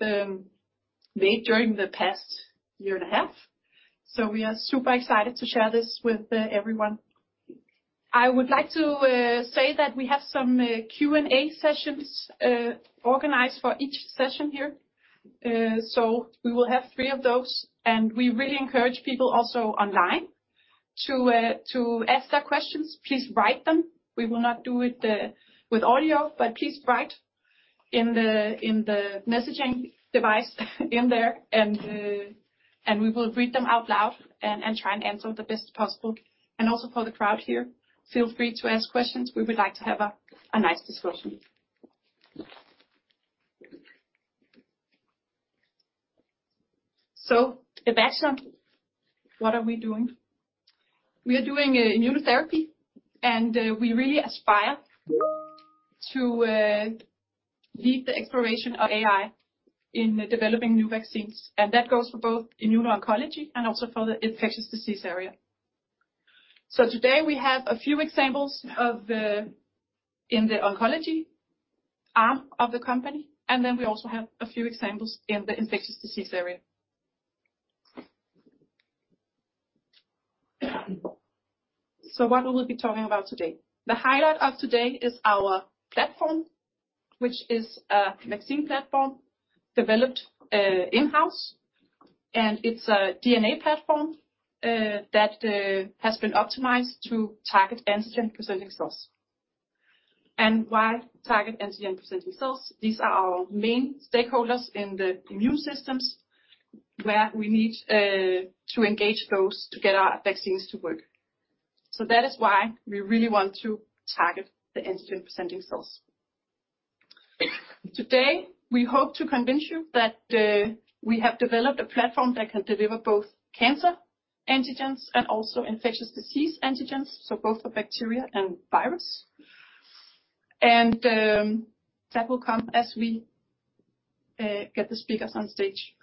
Made during the past year and a half, we are super excited to share this with everyone. I would like to say that we have some Q&A sessions organized for each session here. We will have 3 of those, and we really encourage people also online to ask their questions. Please write them. We will not do it with audio, please write in the messaging device in there, and we will read them out loud and try and answer them the best possible. Also for the crowd here, feel free to ask questions. We would like to have a nice discussion. At Evaxion, what are we doing? We are doing immunotherapy, and we really aspire to lead the exploration of AI in developing new vaccines. That goes for both immuno-oncology and also for the infectious disease area. Today we have a few examples in the oncology arm of the company, and then we also have a few examples in the infectious disease area. What will we be talking about today? The highlight of today is our platform, which is a vaccine platform developed in-house, and it's a DNA platform that has been optimized to target antigen-presenting cells. Why target antigen-presenting cells? These are our main stakeholders in the immune systems, where we need to engage those to get our vaccines to work. That is why we really want to target the antigen-presenting cells. Today, we hope to convince you that we have developed a platform that can deliver both cancer antig ens and also infectious disease antigens, so both for bacteria and virus. That will come as we get the speakers on stage.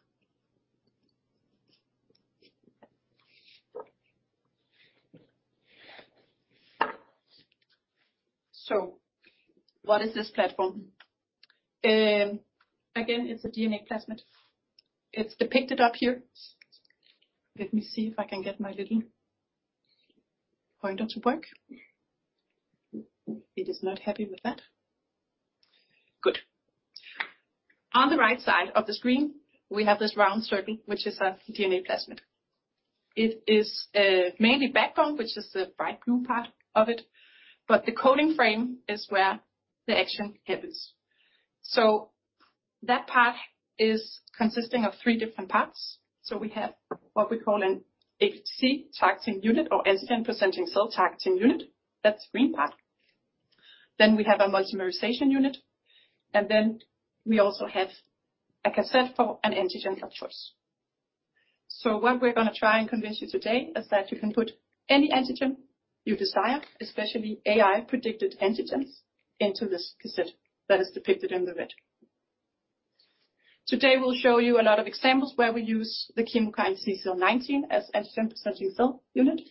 What is this platform? Again, it's a DNA plasmid. It's depicted up here. Let me see if I can get my little pointer to work. It is not happy with that. Good. On the right side of the screen, we have this round circle, which is a DNA plasmid. It is mainly backbone, which is the bright blue part of it, but the coding frame is where the action happens. That part is consisting of three different parts. We have what we call an APC targeting unit or antigen-presenting cell targeting unit. That's the green part. We have a multimerization unit, and then we also have a cassette for an antigen of choice. What we're going to try and convince you today is that you can put any antigen you desire, especially AI-predicted antigens, into this cassette that is depicted in the red. Today, we'll show you a lot of examples where we use the chemokine CCL19 as antigen-presenting cell unit.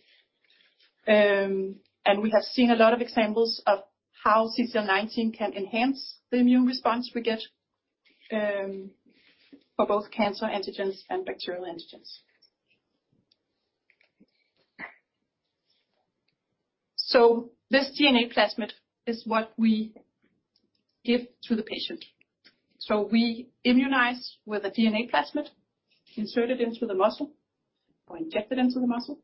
We have seen a lot of examples of how CCL19 can enhance the immune response we get for both cancer antigens and bacterial antigens. This DNA plasmid is what we give to the patient. We immunize with a DNA plasmid, insert it into the muscle or inject it into the muscle,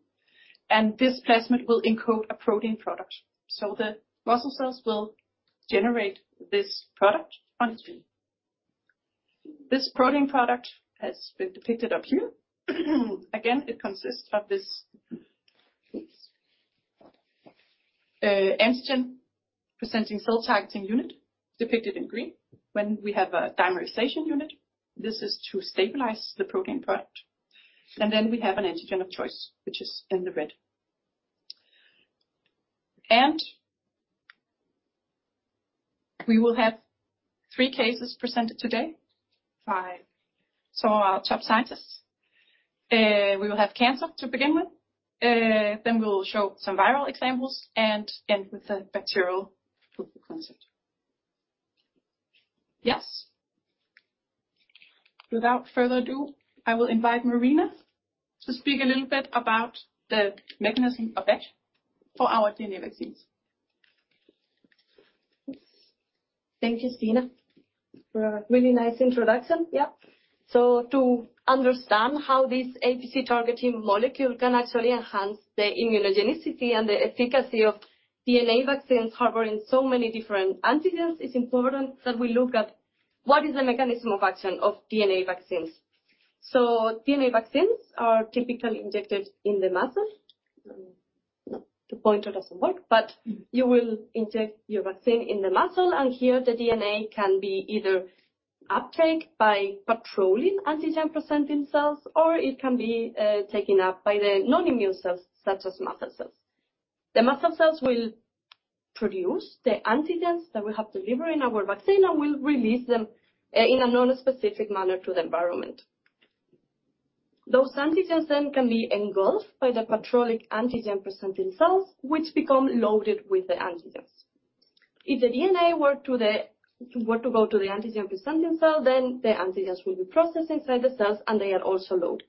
and this plasmid will encode a protein product. The muscle cells will generate this product on its own. This protein product has been depicted up here. Again, it consists of this antigen-presenting cell targeting unit, depicted in green. When we have a dimerization unit, this is to stabilize the protein product, and then we have an antigen of choice, which is in the red. We will have three cases presented today by some of our top scientists. We will have cancer to begin with, then we will show some viral examples and end with the bacterial proof of concept. Yes. Without further ado, I will invite Marina to speak a little bit about the mechanism of action for our DNA vaccines. Thank you, Stine, for a really nice introduction. To understand how this APC targeting molecule can actually enhance the immunogenicity and the efficacy of DNA vaccines harboring so many different antigens, it's important that we look at what is the mechanism of action of DNA vaccines. DNA vaccines are typically injected in the muscle. The pointer doesn't work, but you will inject your vaccine in the muscle, and here the DNA can be either uptake by patrolling antigen-presenting cells, or it can be taken up by the non-immune cells, such as muscle cells. The muscle cells will produce the antigens that we have delivered in our vaccine and will release them in a non-specific manner to the environment. Those antigens can be engulfed by the patrolling antigen-presenting cells, which become loaded with the antigens. If the DNA were to go to the antigen-presenting cell, then the antigens will be processed inside the cells, and they are also loaded.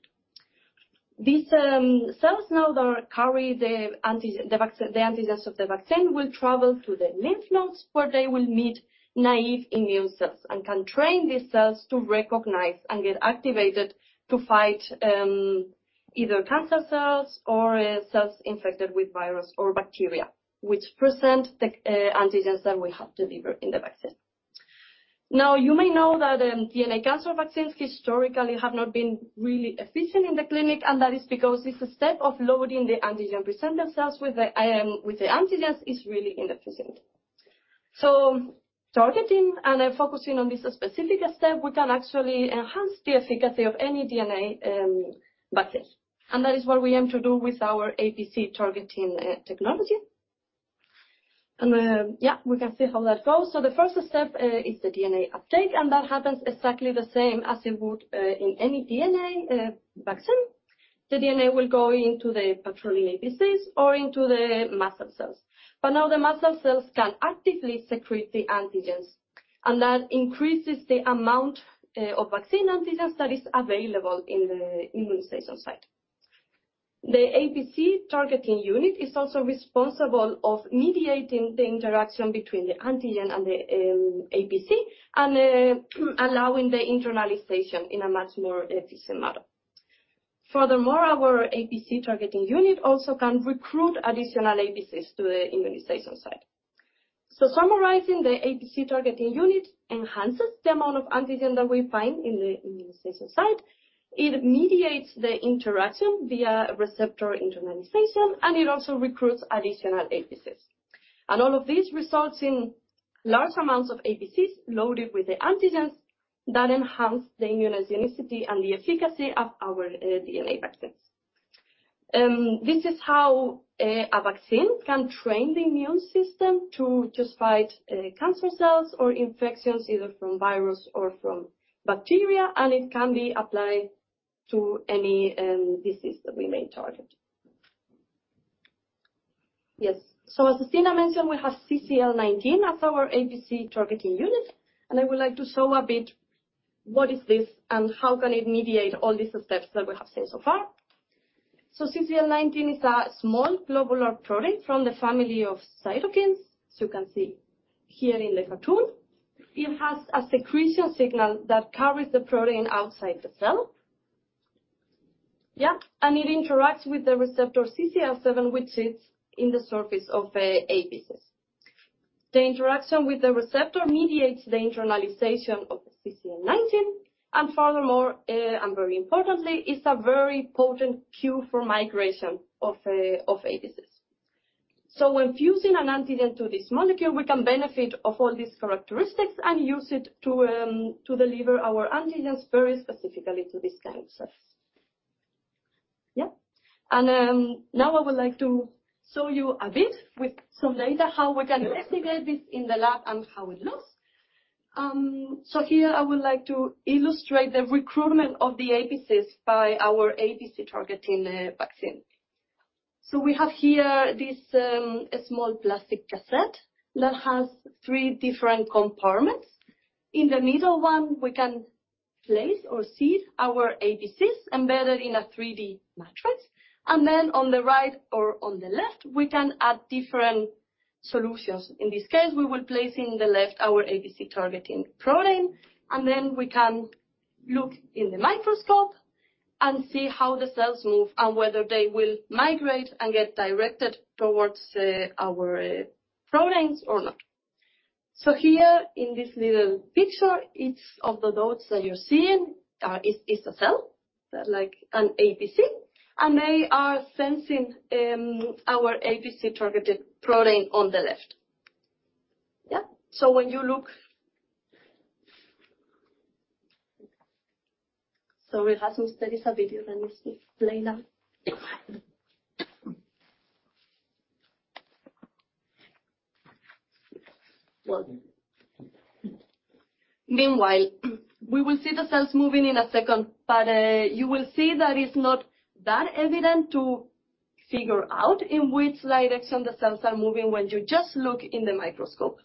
These cells now that carry the antigens of the vaccine will travel to the lymph nodes, where they will meet naive immune cells, and can train these cells to recognize and get activated to fight either cancer cells or cells infected with virus or bacteria, which present the antigens that we have delivered in the vaccine. You may know that DNA cancer vaccines historically have not been really efficient in the clinic, and that is because this step of loading the antigen-presenting cells with the antigens is really inefficient. Targeting and then focusing on this specific step, we can actually enhance the efficacy of any DNA vaccine. That is what we aim to do with our APC-targeting technology. Yeah, we can see how that goes. The first step is the DNA uptake, and that happens exactly the same as it would in any DNA vaccine. The DNA will go into the patrolling APCs or into the muscle cells. Now the muscle cells can actively secrete the antigens, and that increases the amount of vaccine antigens that is available in the immunization site. The APC-targeting unit is also responsible of mediating the interaction between the antigen and the APC, and allowing the internalization in a much more efficient model. Furthermore, our APC-targeting unit also can recruit additional APCs to the immunization site. Summarizing, the APC-targeting unit enhances the amount of antigen that we find in the immunization site, it mediates the interaction via receptor internalization, and it also recruits additional APCs. All of this results in large amounts of APCs loaded with the antigens that enhance the immunogenicity and the efficacy of our DNA vaccines. This is how a vaccine can train the immune system to just fight cancer cells or infections, either from virus or from bacteria, and it can be applied to any disease that we may target. Yes. As Stine mentioned, we have CCL19 as our APC-targeting unit, and I would like to show a bit what is this and how can it mediate all these steps that we have seen so far. CCL19 is a small globular protein from the family of cytokines, as you can see here in the cartoon. It has a secretion signal that carries the protein outside the cell. It interacts with the receptor CCL7, which sits in the surface of the APCs. The interaction with the receptor mediates the internalization of the CCL19, and furthermore, and very importantly, it's a very potent cue for migration of APCs. When fusing an antigen to this molecule, we can benefit of all these characteristics and use it to deliver our antigens very specifically to these kinds of cells. Now I would like to show you a bit with some data, how we can investigate this in the lab and how it looks. Here I would like to illustrate the recruitment of the APCs by our APC-targeting vaccine. We have here this small plastic cassette that has 3 different compartments. In the middle one, we can place or seed our APCs embedded in a 3D matrix, and then on the right or on the left, we can add different solutions. In this case, we will place in the left our APC-targeting protein, and then we can look in the microscope and see how the cells move and whether they will migrate and get directed towards our proteins or not. Here in this little picture, each of the dots that you're seeing is a cell, that like an APC, and they are sensing our APC-targeted protein on the left. When you look... Sorry, there is a video that needs to play now. Meanwhile, we will see the cells moving in a second, but you will see that it's not that evident to figure out in which direction the cells are moving when you just look in the microscope.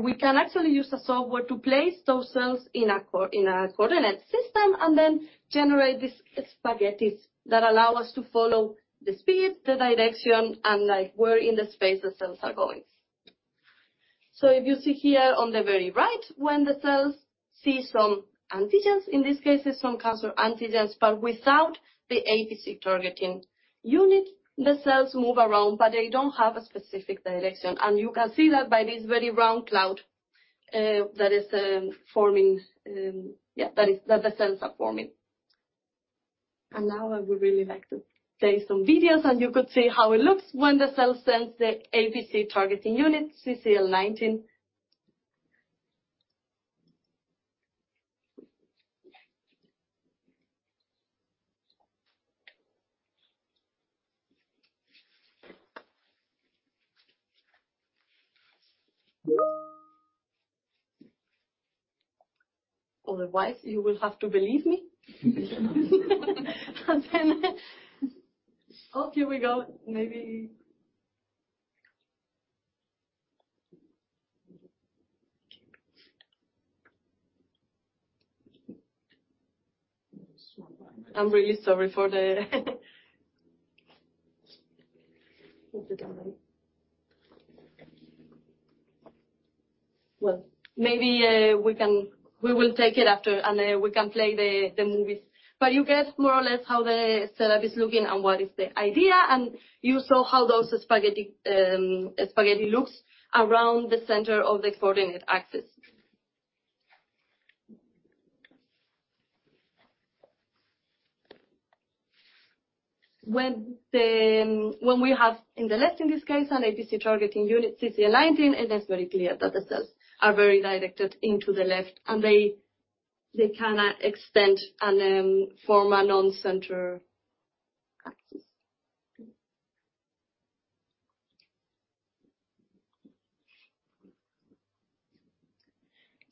We can actually use a software to place those cells in a coordinate system, and then generate these spaghettis that allow us to follow the speed, the direction, and, like, where in the space the cells are going. If you see here on the very right, when the cells see some antigens, in this case, it's some cancer antigens, but without the APC-targeting unit, the cells move around, but they don't have a specific direction. You can see that by this very round cloud that is forming. that the cells are forming. Now I would really like to play some videos, and you could see how it looks when the cell sends the APC-targeting unit, CCL19. Otherwise, you will have to believe me. Oh, here we go. Maybe. I'm really sorry for the Well, maybe, we will take it after, and we can play the movies. You get more or less how the setup is looking and what is the idea, and you saw how those spaghetti looks around the center of the coordinate axis. When we have in the left, in this case, an APC-targeting unit CCL19, it is very clear that the cells are very directed into the left, and they cannot extend and form a non-center axis.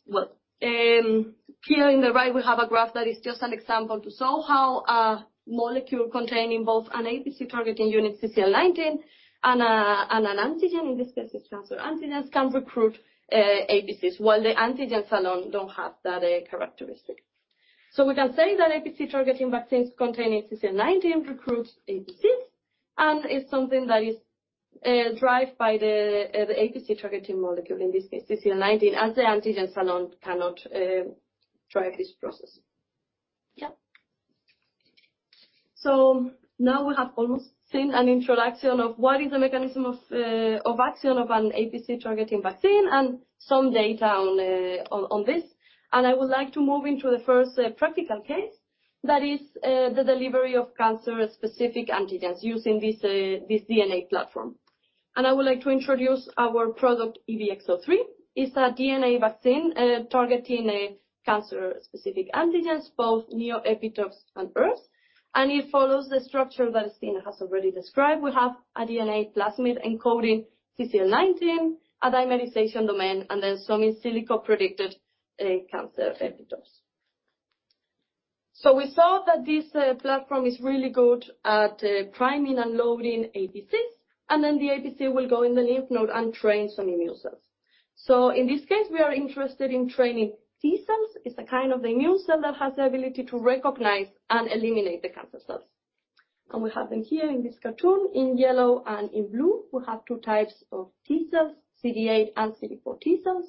Well, here in the right, we have a graph that is just an example to show how a molecule containing both an APC-targeting unit, CCL19, and an antigen, in this case, it's cancer antigens, can recruit APCs, while the antigens alone don't have that characteristic. We can say that APC-targeting vaccines containing CCL19 recruits APCs, and it's something that is derived by the APC-targeting molecule, in this case, CCL19, as the antigens alone cannot drive this process. Now we have almost seen an introduction of what is the mechanism of action of an APC-targeting vaccine and some data on this. I would like to move into the first practical case, that is, the delivery of cancer-specific antigens using this DNA platform. I would like to introduce our product, EVX-03. It's a DNA vaccine, targeting cancer-specific antigens, both neoepitopes and ERVs, and it follows the structure that Stine has already described. We have a DNA plasmid encoding CCL19, a dimerization domain, and then some silico-predicted cancer epitopes. We saw that this platform is really good at priming and loading APCs, and then the APC will go in the lymph node and train some immune cells. In this case, we are interested in training T cells. It's a kind of immune cell that has the ability to recognize and eliminate the cancer cells. We have them here in this cartoon. In yellow and in blue, we have two types of T cells, CD8 and CD4 T cells,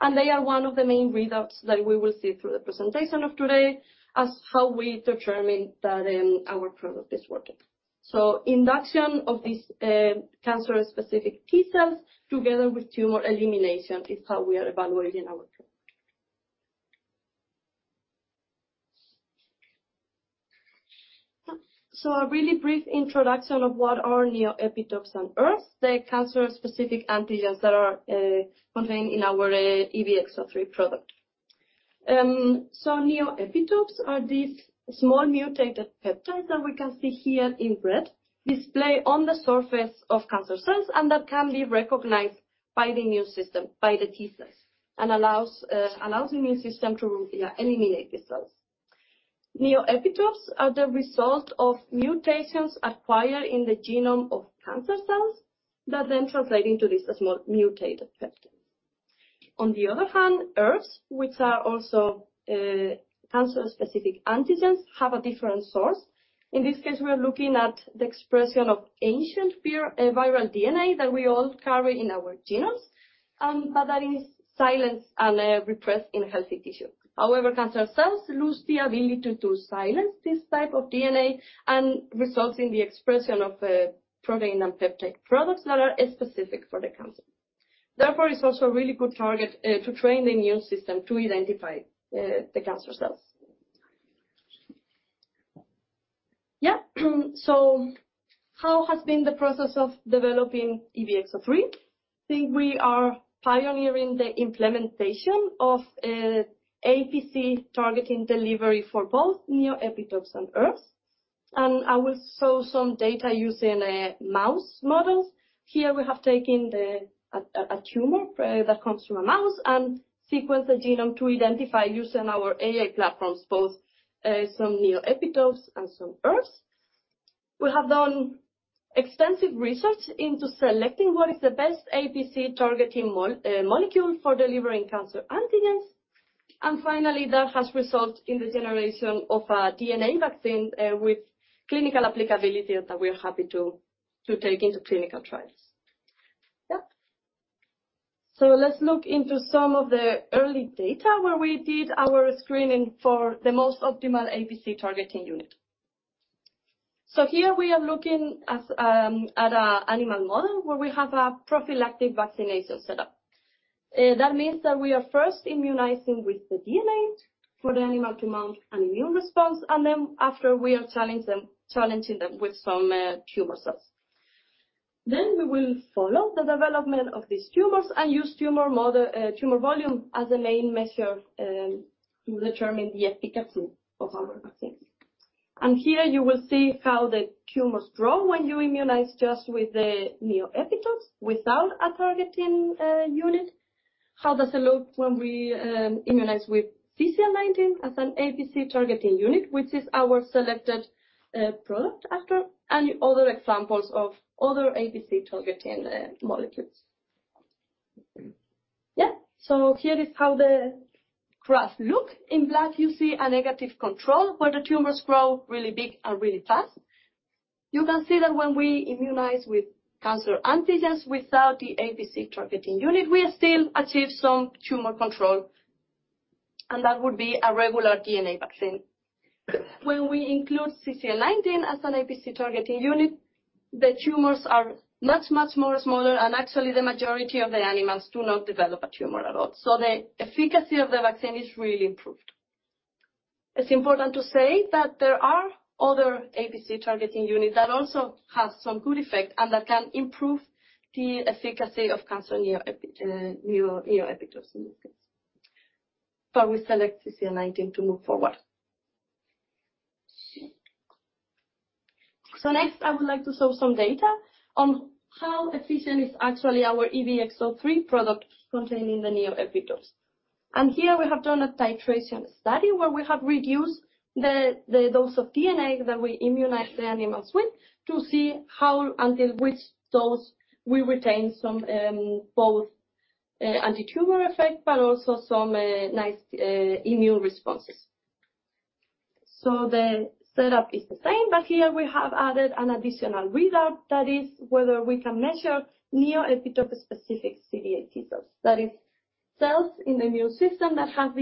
and they are one of the main readouts that we will see through the presentation of today as how we determine that our product is working. Induction of these cancer-specific T cells, together with tumor elimination, is how we are evaluating our product. A really brief introduction of what are neoepitopes and ERVs, the cancer-specific antigens that are contained in our EVX-03 product. Neoepitopes are these small mutated peptides that we can see here in red, display on the surface of cancer cells, and that can be recognized by the immune system, by the T cells, and allows the immune system to eliminate the cells. Neoepitopes are the result of mutations acquired in the genome of cancer cells that translate into these small mutated peptides. On the other hand, ERVs, which are also cancer-specific antigens, have a different source. In this case, we are looking at the expression of ancient viral DNA that we all carry in our genomes, that is silenced and repressed in healthy tissue. However, cancer cells lose the ability to silence this type of DNA and results in the expression of protein and peptide products that are specific for the cancer. Therefore, it's also a really good target to train the immune system to identify the cancer cells. Yeah. How has been the process of developing EVX-03? I think we are pioneering the implementation of APC-targeting delivery for both neoepitopes and ERVs. I will show some data using a mouse models. Here we have taken the tumor that comes from a mouse and sequenced the genome to identify, using our AI platforms, both some neoepitopes and some ERVs. We have done extensive research into selecting what is the best APC-targeting molecule for delivering cancer antigens. Finally, that has resulted in the generation of a DNA vaccine with clinical applicability that we are happy to take into clinical trials. Yeah. Let's look into some of the early data where we did our screening for the most optimal APC-targeting unit. Here we are looking at a animal model where we have a prophylactic vaccination setup. That means that we are first immunizing with the DNA for the animal to mount an immune response, and then after, we are challenging them with some tumor cells. We will follow the development of these tumors and use tumor model, tumor volume as the main measure to determine the efficacy of our vaccines. Here you will see how the tumors grow when you immunize just with the neoepitopes without a targeting unit. How does it look when we immunize with CCL19 as an APC targeting unit, which is our selected product after, and other examples of other APC targeting molecules. Here is how the graphs look. In black, you see a negative control, where the tumors grow really big and really fast. You can see that when we immunize with cancer antigens without the APC targeting unit, we still achieve some tumor control, and that would be a regular DNA vaccine. When we include CCL19 as an APC targeting unit, the tumors are much more smaller, and actually, the majority of the animals do not develop a tumor at all. The efficacy of the vaccine is really improved. It's important to say that there are other APC targeting units that also have some good effect, and that can improve the efficacy of cancer neoepitopes in this case. We select CCL19 to move forward. Next, I would like to show some data on how efficient is actually our EVX-03 product containing the neoepitopes. Here we have done a titration study, where we have reduced the dose of DNA that we immunize the animals with, to see how until which dose we retain some both antitumor effect, but also some nice immune responses. The setup is the same, but here we have added an additional readout, that is, whether we can measure neoepitope-specific CD8 T cells. That is, cells in the immune system that have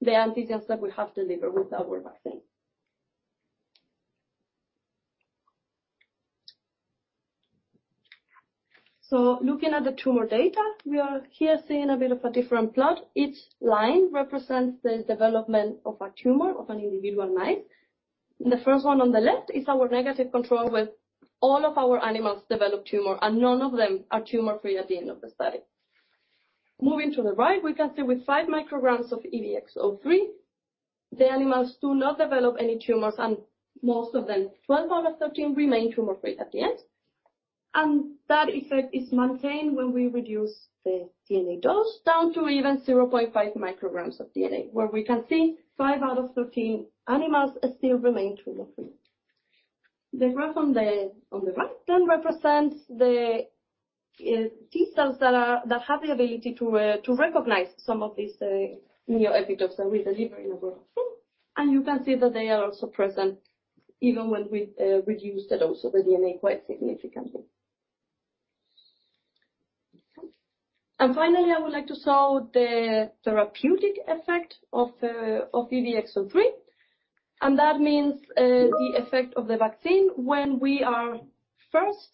the ability to recognize the antigens that we have delivered with our vaccine. Looking at the tumor data, we are here seeing a bit of a different plot. Each line represents the development of a tumor of an individual mouse. The first one on the left is our negative control, where all of our animals develop tumor, and none of them are tumor-free at the end of the study. Moving to the right, we can see with 5 micrograms of EVX-03, the animals do not develop any tumors, and most of them, 12 out of 13, remain tumor-free at the end. That effect is maintained when we reduce the DNA dose down to even 0.5 micrograms of DNA, where we can see 5 out of 13 animals still remain tumor-free. The graph on the right then represents the T cells that have the ability to recognize some of these neoepitopes that we deliver in our work. You can see that they are also present even when we reduce the dose of the DNA quite significantly. Finally, I would like to show the therapeutic effect of EVX-03, and that means the effect of the vaccine when we are first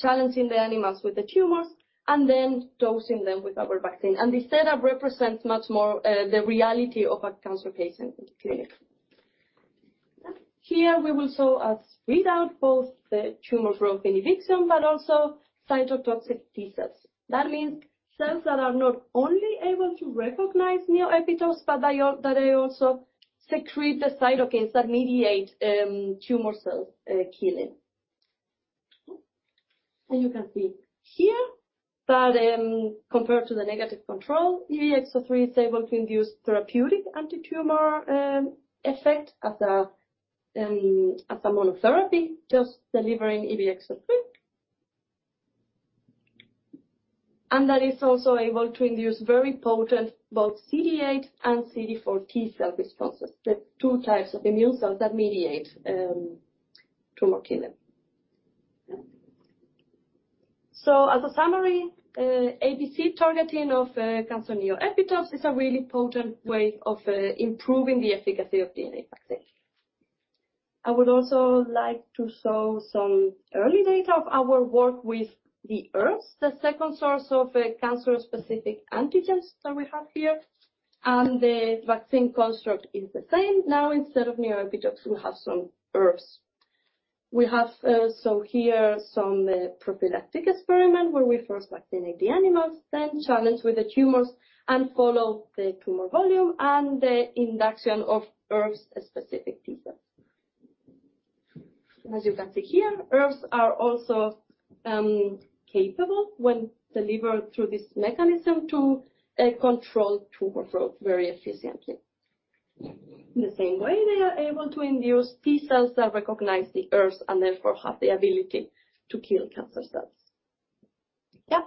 challenging the animals with the tumors and then dosing them with our vaccine. This data represents much more the reality of a cancer patient, really. Here we will show as readout, both the tumor growth inhibition, but also cytotoxic T cells. That means cells that are not only able to recognize neoepitopes, but that they also secrete the cytokines that mediate tumor cells killing. You can see here that, compared to the negative control, EVX-03 is able to induce therapeutic antitumor effect as a monotherapy, just delivering EVX-03. That is also able to induce very potent, both CD8 and CD4 T cell responses, the two types of immune cells that mediate tumor killing. As a summary, APC targeting of cancer neoepitopes is a really potent way of improving the efficacy of DNA vaccine. I would also like to show some early data of our work with the ERVs, the second source of cancer-specific antigens that we have here, and the vaccine construct is the same. Now, instead of neoepitopes, we have some ERVs. We have here some prophylactic experiment, where we first vaccinate the animals, then challenge with the tumors, and follow the tumor volume and the induction of ERVs-specific T cells. As you can see here, ERVs are also capable, when delivered through this mechanism, to control tumor growth very efficiently. In the same way, they are able to induce T cells that recognize the ERVs, and therefore have the ability to kill cancer cells. Yeah.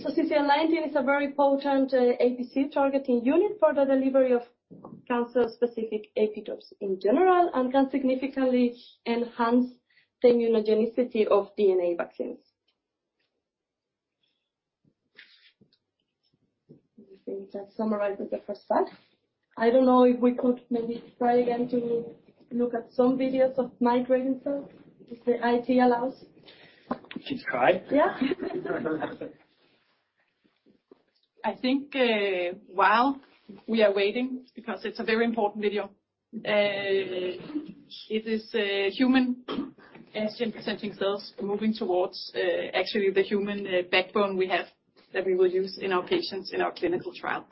CCL19 is a very potent APC targeting unit for the delivery of cancer-specific epitopes in general, and can significantly enhance the immunogenicity of DNA vaccines. I think that summarizes the first part. I don't know if we could maybe try again to look at some videos of migrating cells, if the IT allows? She's try. Yeah. I think, while we are waiting, because it's a very important video, it is a human- ...antigen-presenting cells moving towards actually the human backbone we have that we will use in our patients in our clinical trial.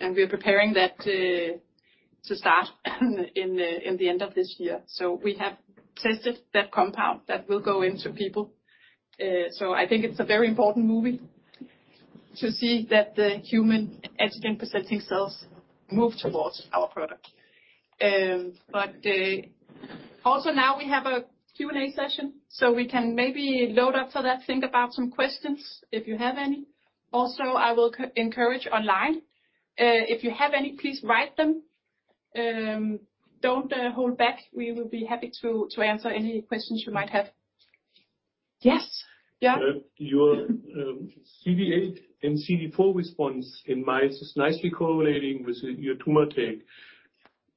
We are preparing that to start in the end of this year. We have tested that compound that will go into people. I think it's a very important movement to see that the human antigen-presenting cells move towards our product. Also now we have a Q&A session, so we can maybe load up for that. Think about some questions, if you have any. Also, I will encourage online. If you have any, please write them. Don't hold back. We will be happy to answer any questions you might have. Yes, yeah. Your CD8 and CD4 response in mice is nicely correlating with your tumor take.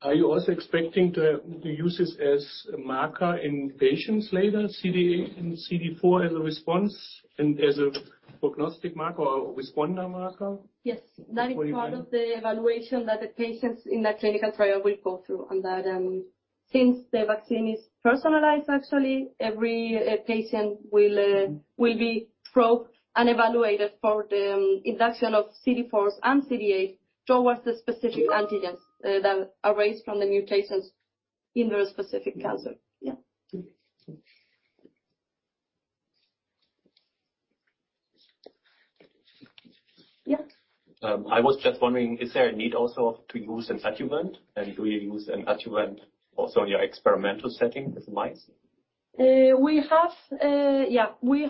Are you also expecting to use this as a marker in patients later, CD8 and CD4, as a response and as a prognostic marker or responder marker? Yes, that is part of the evaluation that the patients in that clinical trial will go through on that. Since the vaccine is personalized, actually, every patient will be probed and evaluated for the induction of CD4 and CD8 towards the specific antigens that arise from the mutations in their specific cancer. Yeah. Yeah. I was just wondering, is there a need also to use an adjuvant? Do you use an adjuvant also in your experimental setting with the mice? We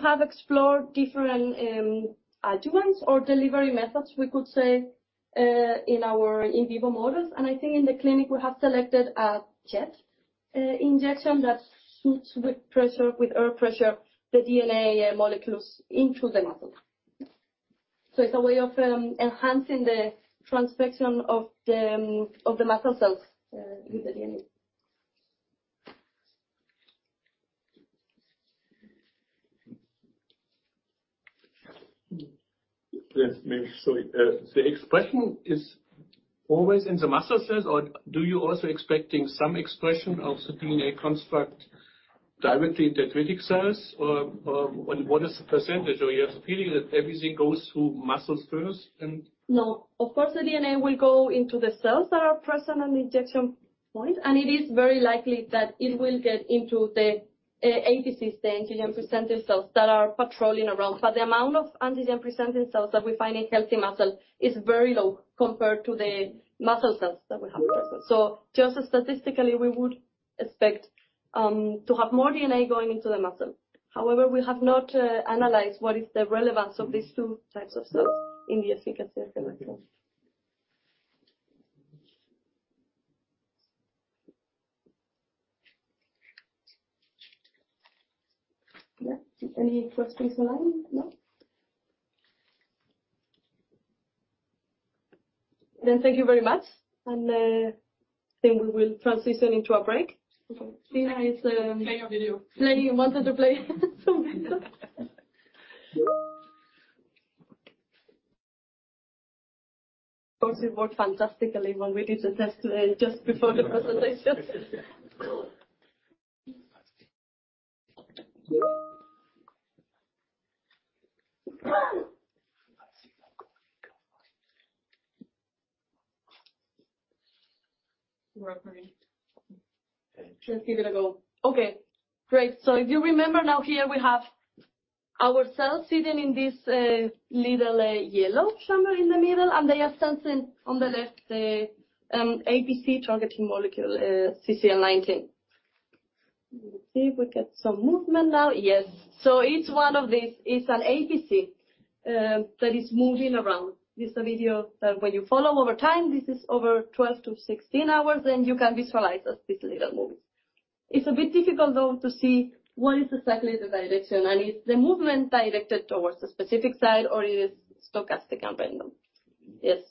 have explored different adjuvants or delivery methods, we could say, in our in vivo models. I think in the clinic we have selected a jet injection that suits with pressure, with air pressure, the DNA molecules into the muscle. It's a way of enhancing the transfection of the muscle cells with the DNA. Yes, maybe. The expression is always in the muscle cells, or do you also expecting some expression of the DNA construct directly in the dendritic cells, or, and what is the percentage? You have a feeling that everything goes through muscles first? No. Of course, the DNA will go into the cells that are present on the injection point. It is very likely that it will get into the APCs, the antigen-presenting cells, that are patrolling around. The amount of antigen-presenting cells that we find in healthy muscle is very low compared to the muscle cells that we have present. Just statistically, we would expect to have more DNA going into the muscle. However, we have not analyzed what is the relevance of these two types of cells in the efficacy of the vaccine. Yeah. Any questions online? No. Thank you very much. I think we will transition into our break. Tina is. Play a video. Playing, wanted to play. Of course, it worked fantastically when we did the test today just before the presentation. Working. Just give it a go. Okay, great. If you remember now here we have our cells sitting in this little yellow somewhere in the middle, and they are sensing on the left the APC targeting molecule, CCL19. Let's see if we get some movement now. Yes. Each one of these is an APC that is moving around. This is a video that when you follow over time, this is over 12 to 16 hours, and you can visualize as these little movies. It's a bit difficult, though, to see what is exactly the direction, and is the movement directed towards a specific side or it is stochastic and random? Yes.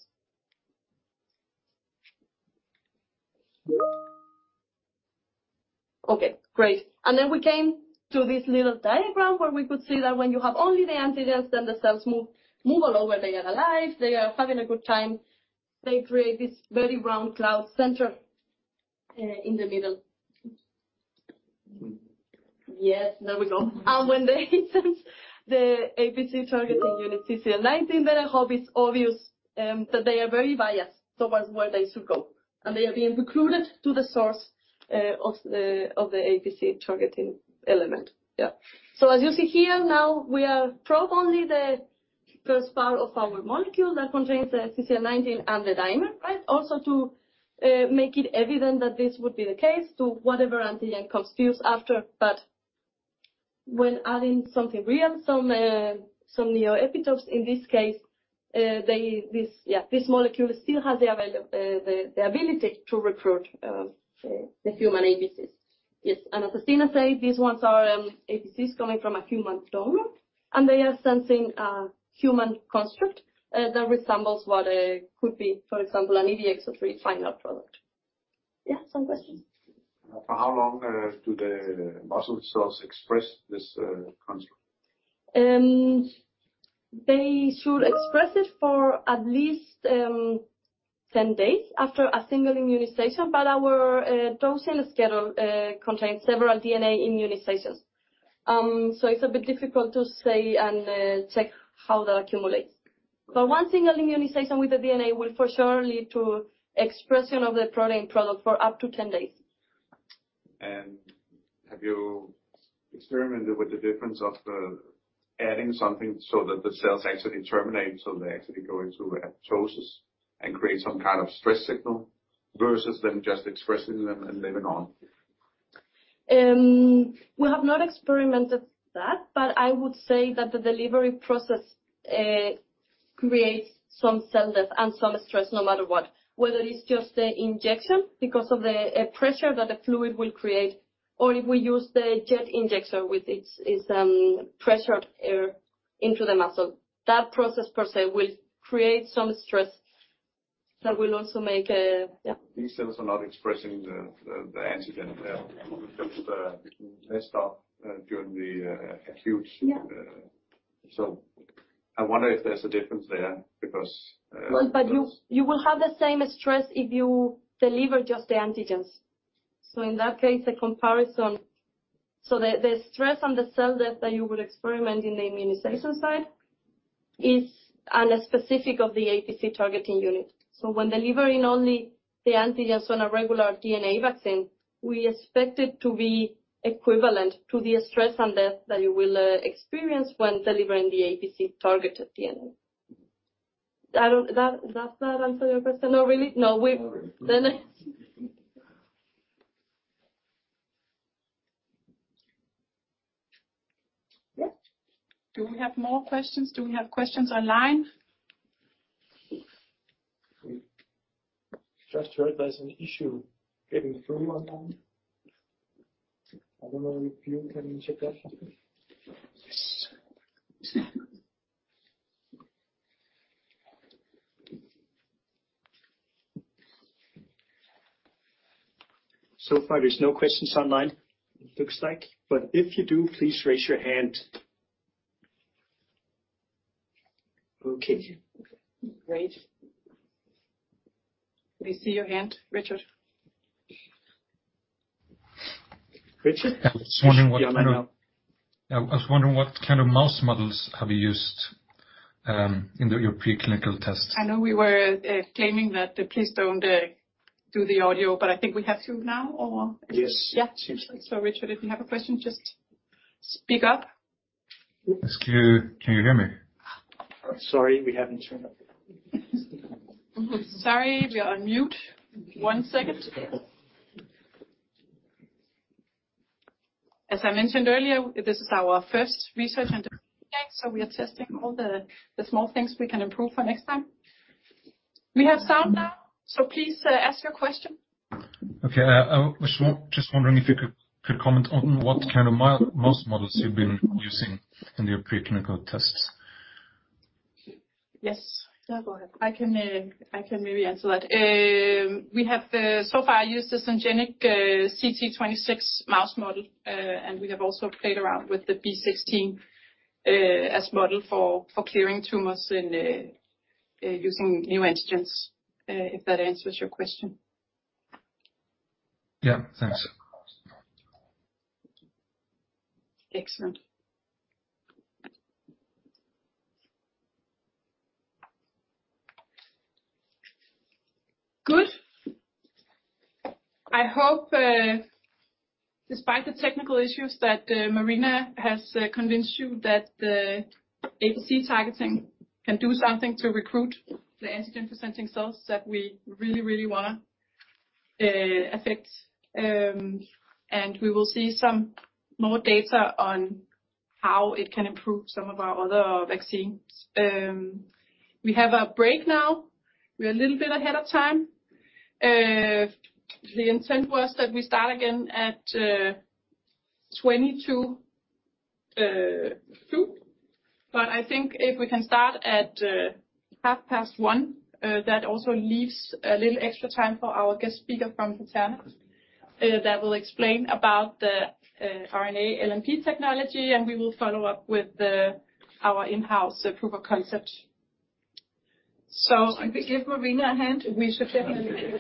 Okay, great. We came to this little diagram where we could see that when you have only the antigens, then the cells move all over, they are alive, they are having a good time. They create this very round cloud center in the middle. Yes, there we go. When they sense the APC targeting unit, CCL19, then I hope it's obvious that they are very biased towards where they should go, and they are being recruited to the source of the APC targeting element. Yeah. As you see here now, we have probed only the first part of our molecule that contains the CCL19 and the dimer, right? Also, to make it evident that this would be the case to whatever antigen comes to use after. When adding something real, some neoepitopes, in this case, they, this molecule still has the ability to recruit, the human APCs. As Stine said, these ones are APCs coming from a human donor, and they are sensing a human construct, that resembles what, could be, for example, an EVX-03 final product. Yeah, some questions? For how long do the muscle cells express this construct? They should express it for at least, 10 days after a single immunization. Our dosing schedule contains several DNA immunizations. It's a bit difficult to say and check how that accumulates. 1 single immunization with the DNA will for sure lead to expression of the protein product for up to 10 days. Have you experimented with the difference of adding something so that the cells actually terminate, so they actually go into apoptosis and create some kind of stress signal versus them just expressing them and living on? We have not experimented that, I would say that the delivery process creates some cell death and some stress, no matter what. Whether it's just the injection because of the pressure that the fluid will create, or if we use the jet injector with its pressured air into the muscle. That process per se, will create some stress that will also make. Yeah. These cells are not expressing the antigen there. Just messed up during the. Yeah. I wonder if there's a difference there, because. But you will have the same stress if you deliver just the antigens. In that case, the comparison... The stress on the cell death that you would experiment in the immunization side is unspecific of the APC targeting unit. When delivering only the antigens on a regular DNA vaccine, we expect it to be equivalent to the stress and death that you will experience when delivering the APC targeted DNA. I don't... Does that answer your question, or really? No, we- No. Yeah. Do we have more questions? Do we have questions online? We just heard there's an issue getting through online. I don't know if you can check that. Yes. So far, there's no questions online, it looks like, but if you do, please raise your hand. Okay. Great. We see your hand, Richard. Richard? I was wondering what kind of mouse models have you used, in the, your preclinical tests? I know we were, claiming that, please don't, do the audio, but I think we have to now. Yes. Yeah. Richard, if you have a question, just speak up. Can you hear me? Sorry, we haven't turned up. Sorry, we are on mute. One second. As I mentioned earlier, this is our first research and development day, so we are testing all the small things we can improve for next time. We have sound now, so please, ask your question. I was just wondering if you could comment on what kind of mouse models you've been using in your preclinical tests? Yes. Yeah, go ahead. I can maybe answer that. We have so far used this syngeneic CT26 mouse model. We have also played around with the B16 as model for clearing tumors and using new antigens, if that answers your question. Yeah, thanks. Excellent. Good. I hope, despite the technical issues, that Marina has convinced you that the APC targeting can do something to recruit the antigen-presenting cells that we really, really want to affect. We will see some more data on how it can improve some of our other vaccines. We have a break now. We are a little bit ahead of time. The intent was that we start again at 22, 2, but I think if we can start at half past 1, that also leaves a little extra time for our guest speaker from Pantherna that will explain about the RNA LNP technology, and we will follow up with our in-house proof of concept. If we give Marina a hand, we should definitely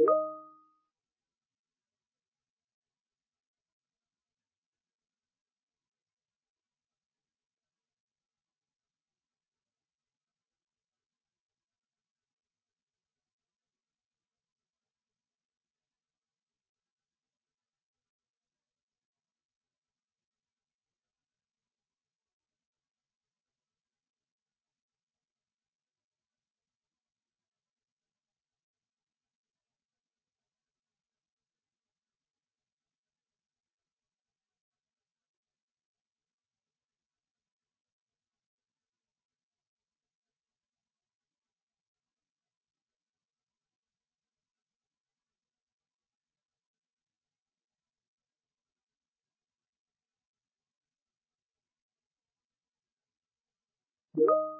give. Good. See you at half past. Yeah. Thank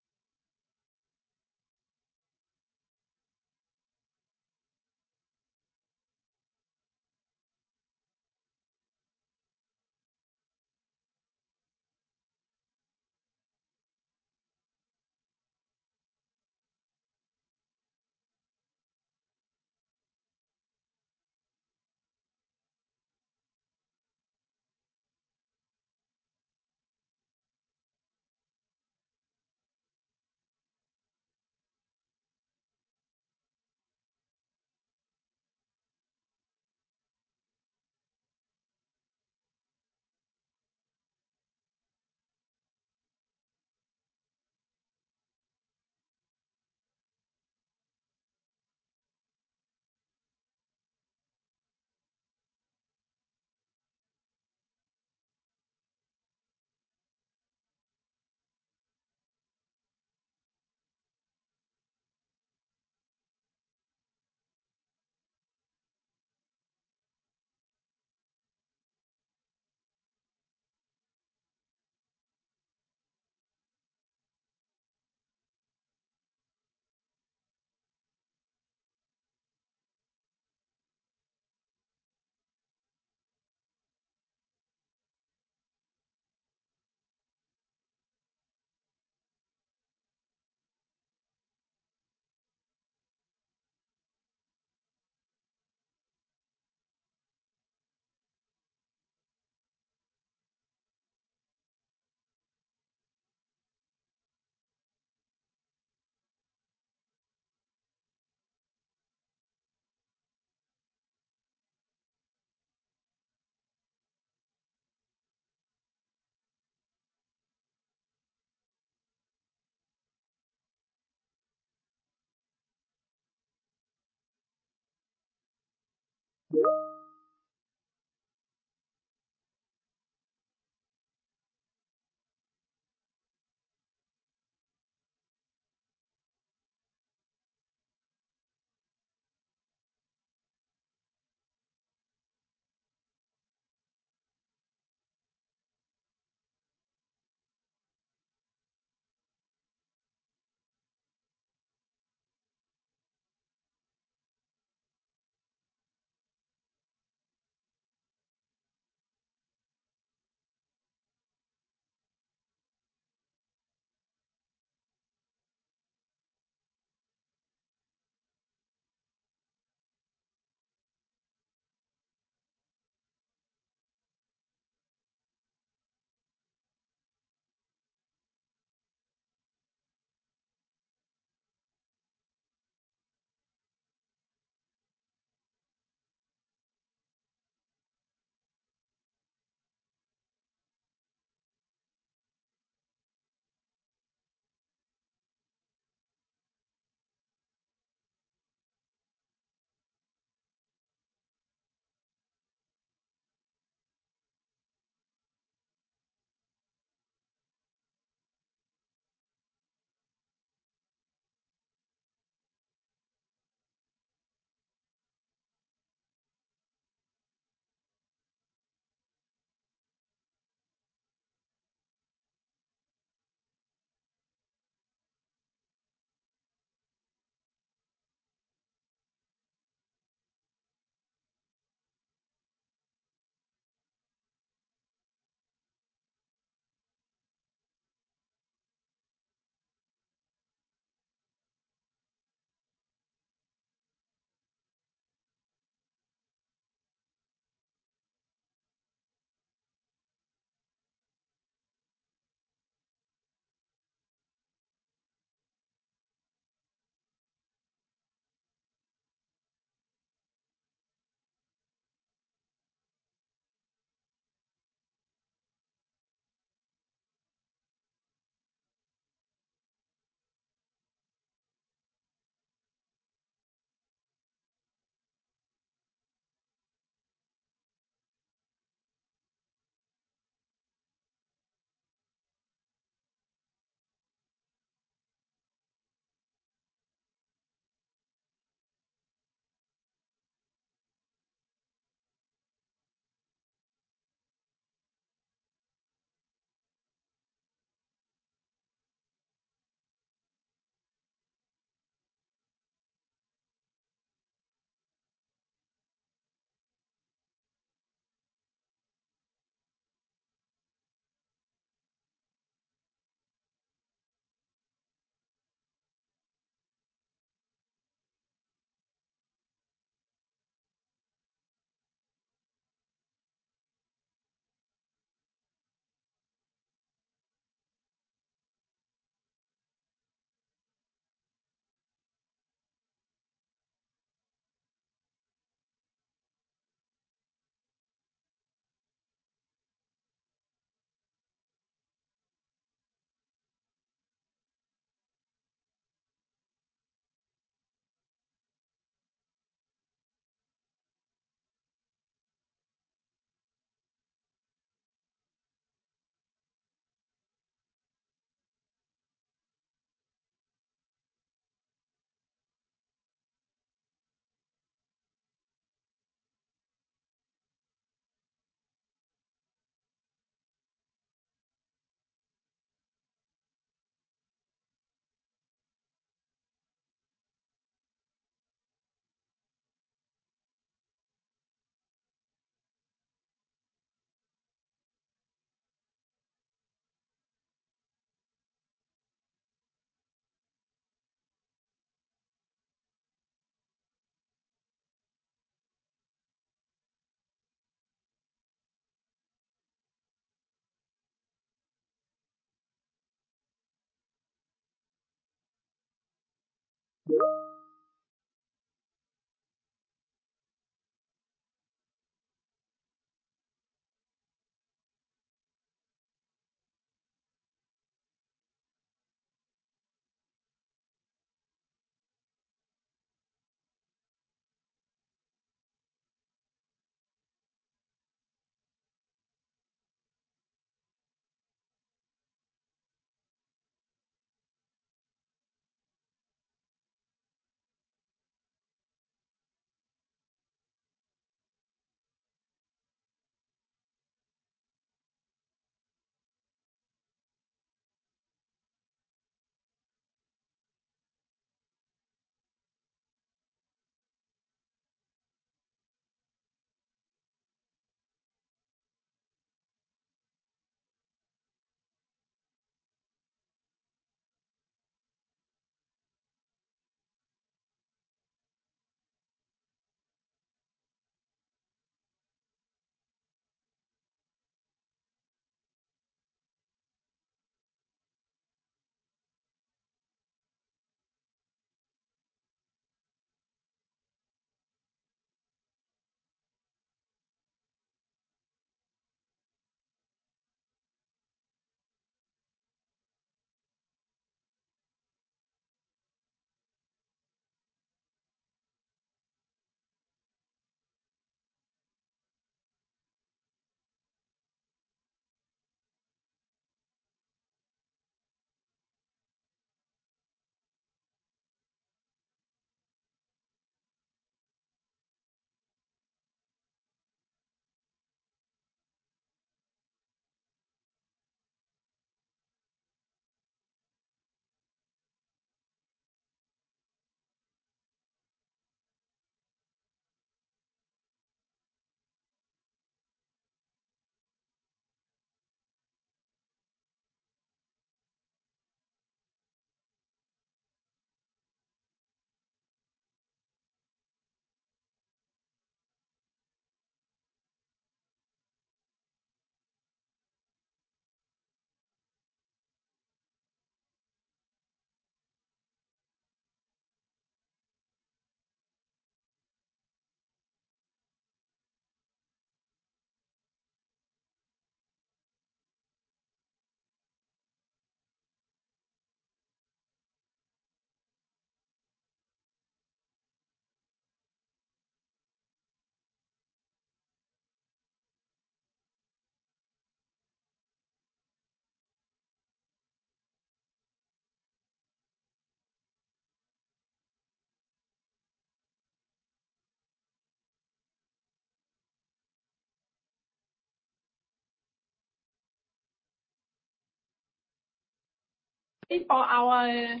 for our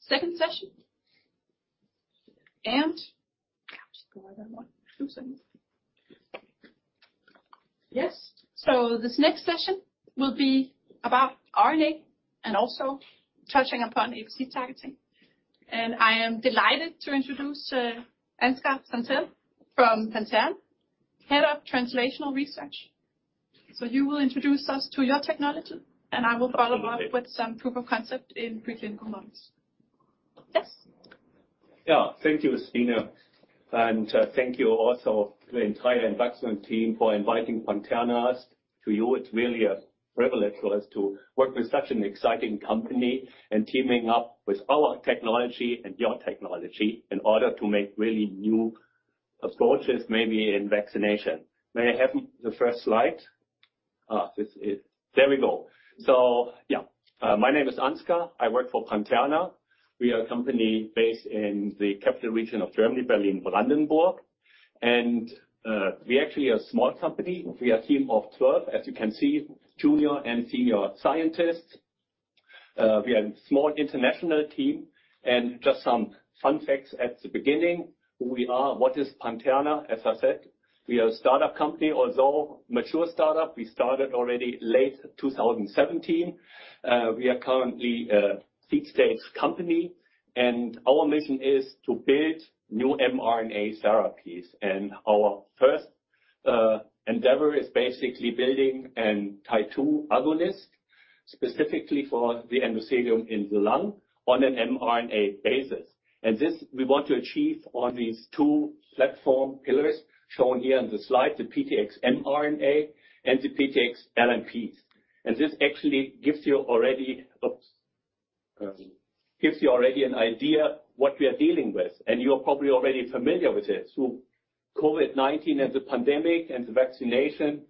second session. Just go on 1, 2 seconds. Yes, this next session will be about RNA and also touching upon FC targeting. I am delighted to introduce Ansgar Santel from BioNTech, Head of Translational Research. You will introduce us to your technology, and I will follow up with some proof of concept in preclinical models. Yes. Yeah. Thank you, Stine, thank you also to the entire Evaxion team for inviting BioNTech us. To you, it's really a privilege for us to work with such an exciting company and teaming up with our technology and your technology in order to make really new approaches, maybe in vaccination. May I have the first slide? this is... There we go. Yeah, my name is Ansgar. I work for BioNTech. We are a company based in the capital region of Germany, Berlin-Brandenburg, we're actually a small company. We are a team of 12, as you can see, junior and senior scientists. We are a small international team. Just some fun facts at the beginning. We are, what is BioNTech? As I said, we are a startup company, although mature startup. We started already late 2017. We are currently a seed stage company, our mission is to build new mRNA therapies. Our first endeavor is basically building a Tie2 agonist, specifically for the endothelium in the lung on an mRNA basis. This we want to achieve on these two platform pillars shown here in the slide, the PIONEER mRNA and the PIONEER LNPs. This actually gives you already an idea what we are dealing with, you are probably already familiar with this. COVID-19 as a pandemic and the vaccination,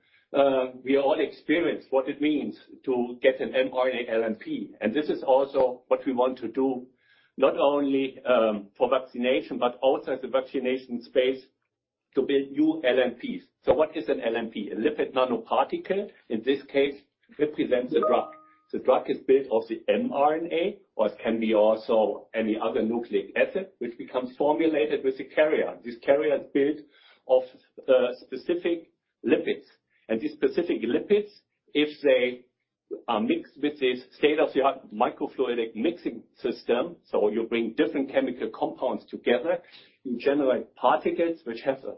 we all experienced what it means to get an mRNA LNP. This is also what we want to do, not only for vaccination, but also as the vaccination space to build new LNPs. What is an LNP? A lipid nanoparticle, in this case, represents the drug. The drug is built of the mRNA, or it can be also any other nucleic acid which becomes formulated with the carrier. This carrier is built of specific lipids, and these specific lipids, if they are mixed with this state-of-the-art microfluidic mixing system, so you bring different chemical compounds together, you generate particles which have a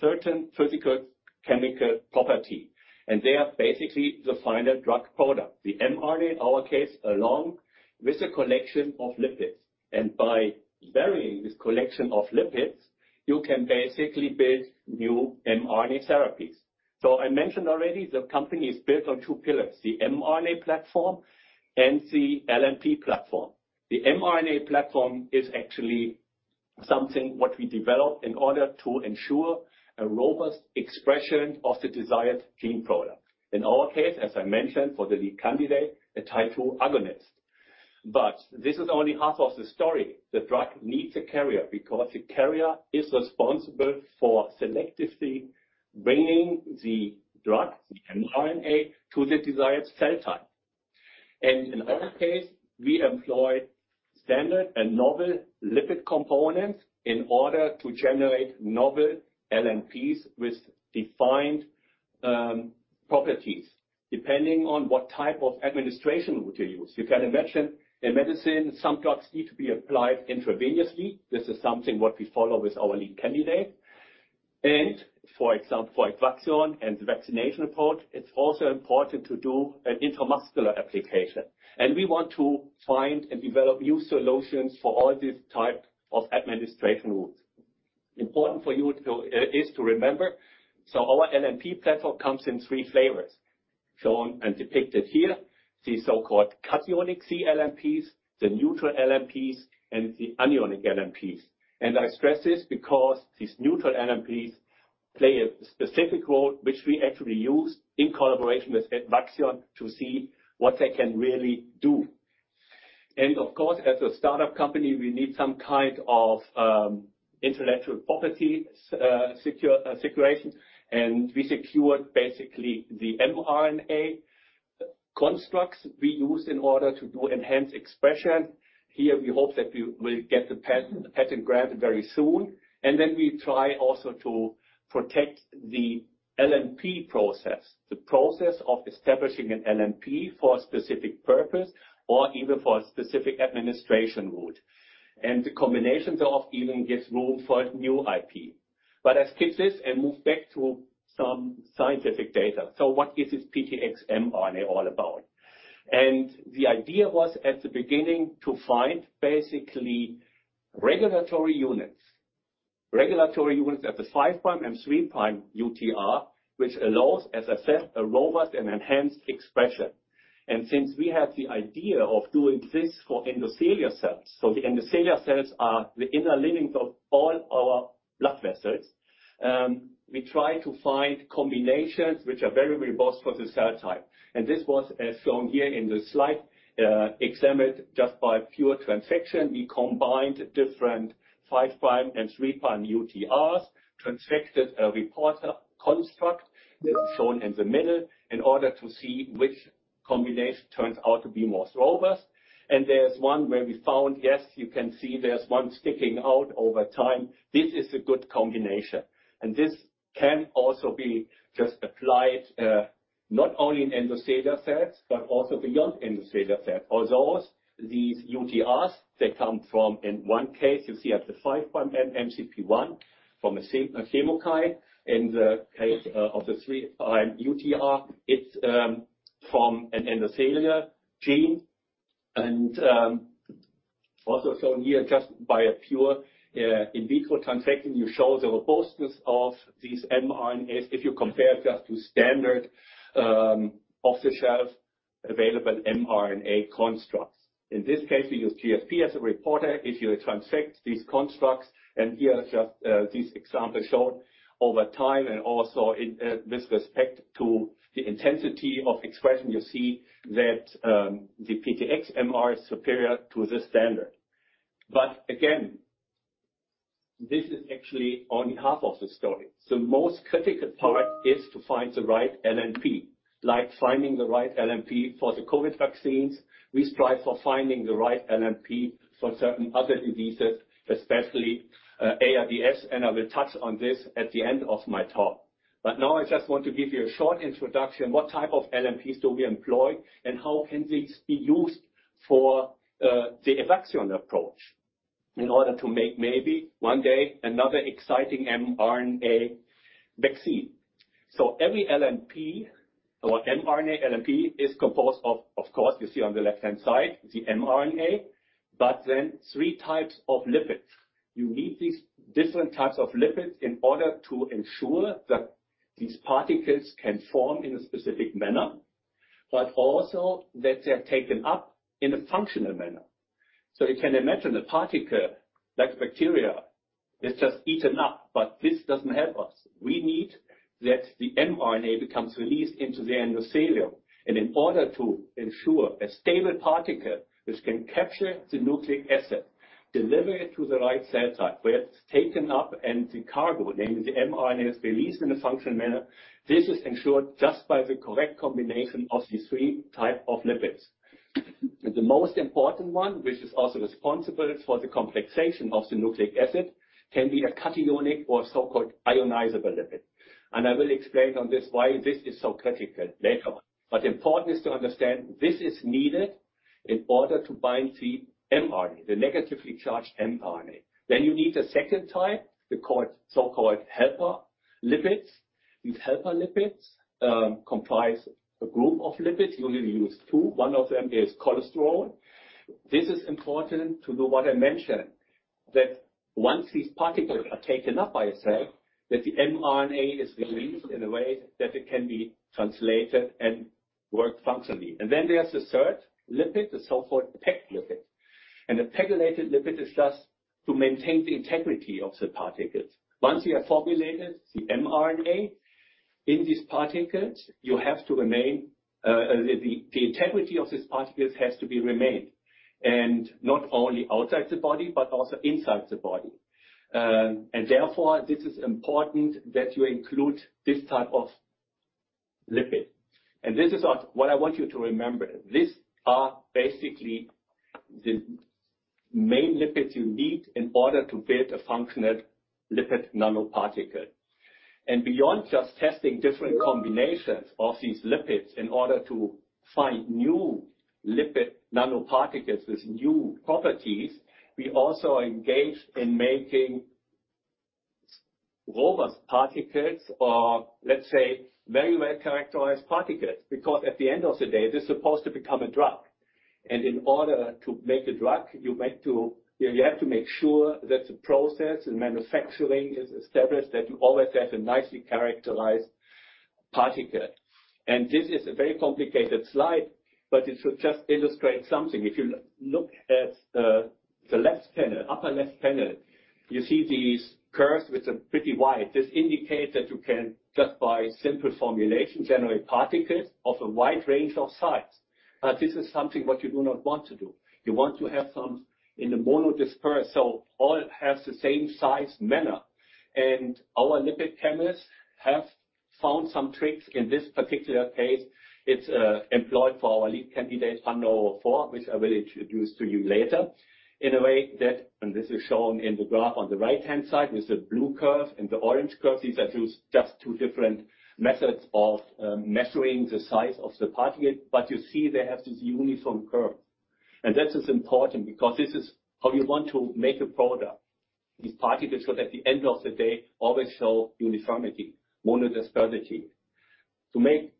certain physical, chemical property, and they are basically the final drug product. The mRNA, in our case, along with a collection of lipids. By varying this collection of lipids, you can basically build new mRNA therapies. I mentioned already, the company is built on two pillars, the mRNA platform and the LNP platform. The mRNA platform is actually something what we developed in order to ensure a robust expression of the desired gene product. In our case, as I mentioned, for the lead candidate, a Tie2 agonist. This is only half of the story. The drug needs a carrier, because the carrier is responsible for selectively bringing the drug, the mRNA, to the desired cell type. In our case, we employed standard and novel lipid components in order to generate novel LNPs with defined properties, depending on what type of administration route you use. You can imagine in medicine, some drugs need to be applied intravenously. This is something what we follow with our lead candidate. For example, for Evaxion and the vaccination approach, it's also important to do an intramuscular application. We want to find and develop new solutions for all these type of administration routes. Important for you to remember, our LNP platform comes in three flavors, shown and depicted here, the so-called cationic CLNPs, the neutral LNPs, and the anionic LNPs. I stress this because these neutral LNPs play a specific role, which we actually use in collaboration with Evaxion to see what they can really do. Of course, as a startup company, we need some kind of intellectual property secure situation. We secured basically the mRNA constructs we use in order to do enhanced expression. Here, we hope that we will get the patent granted very soon. We try also to protect the LNP process, the process of establishing an LNP for a specific purpose or even for a specific administration route. The combinations of even gives room for a new IP. I skip this and move back to some scientific data. What is this PIONEER mRNA all about? The idea was, at the beginning, to find basically regulatory units. Regulatory units at the 5' and 3' UTR, which allows, as I said, a robust and enhanced expression. Since we had the idea of doing this for endothelial cells, so the endothelial cells are the inner linings of all our blood vessels, we try to find combinations which are very robust for the cell type. This was, as shown here in the slide, examined just by pure transfection. We combined different 5' and 3' UTRs, transfected a reporter construct that is shown in the middle, in order to see which combination turns out to be most robust. There's one where we found, yes, you can see there's one sticking out over time. This is a good combination. This can also be just applied, not only in endothelial cells, but also beyond endothelial cells. Although these UTRs, they come from, in 1 case, you see at the 5' mMCP-1, from a same, a chemokine. In the case of the 3' UTR, it's from an endothelial gene. Also shown here, just by a pure in vitro transfection, you show the robustness of these mRNAs, if you compare just to standard off-the-shelf available mRNA constructs. In this case, we use GFP as a reporter. If you transfect these constructs, and here are just these examples shown over time and also in this respect to the intensity of expression, you see that the PIONEER mRNA is superior to the standard. Again, this is actually only half of the story. The most critical part is to find the right LNP. Like finding the right LNP for the COVID vaccines, we strive for finding the right LNP for certain other diseases, especially ARDS, and I will touch on this at the end of my talk. Now I just want to give you a short introduction, what type of LNPs do we employ, and how can these be used for the Evaxion approach in order to make, maybe one day, another exciting mRNA vaccine? Every LNP or mRNA LNP is composed of course, you see on the left-hand side, the mRNA, but then three types of lipids. You need these different types of lipids in order to ensure that these particles can form in a specific manner, but also that they are taken up in a functional manner. You can imagine a particle, like bacteria, is just eaten up, but this doesn't help us. We need that the mRNA becomes released into the endothelium. In order to ensure a stable particle, which can capture the nucleic acid, deliver it to the right cell site, where it's taken up, and the cargo, namely the mRNA, is released in a functional manner, this is ensured just by the correct combination of these three type of lipids. The most important one, which is also responsible for the complexation of the nucleic acid, can be a cationic or so-called ionizable lipid. I will explain on this why this is so critical later on. Important is to understand, this is needed in order to bind the mRNA, the negatively charged mRNA. You need a second type, so-called helper lipids. These helper lipids comprise a group of lipids. You only use two. One of them is cholesterol. This is important to do what I mentioned, that once these particles are taken up by a cell, that the mRNA is released in a way that it can be translated and work functionally. Then there's the third lipid, the so-called PEG lipid. The pegylated lipid is just to maintain the integrity of the particles. Once you have formulated the mRNA in these particles, the integrity of these particles has to be remained, and not only outside the body, but also inside the body. Therefore, this is important that you include this type of lipid. This is what I want you to remember. These are basically the main lipids you need in order to build a functional lipid nanoparticle. Beyond just testing different combinations of these lipids in order to find new lipid nanoparticles with new properties, we also are engaged in making robust particles, or let's say, very well-characterized particles, because at the end of the day, this is supposed to become a drug. In order to make a drug, you know, you have to make sure that the process and manufacturing is established, that you always have a nicely characterized particle. This is a very complicated slide, but it should just illustrate something. If you look at the left panel, upper left panel, you see these curves, which are pretty wide. This indicate that you can, just by simple formulation, generate particles of a wide range of size. This is something what you do not want to do. You want to have some in the monodisperse, so all has the same size manner. Our lipid chemists have found some tricks. In this particular case, it's employed for our lead candidate, EVX-04, which I will introduce to you later, in a way that... This is shown in the graph on the right-hand side, with the blue curve and the orange curve. These are just two different methods of measuring the size of the particle, but you see they have this uniform curve. This is important because this is how you want to make a product. These particles, so at the end of the day, always show uniformity, monodispersity. To make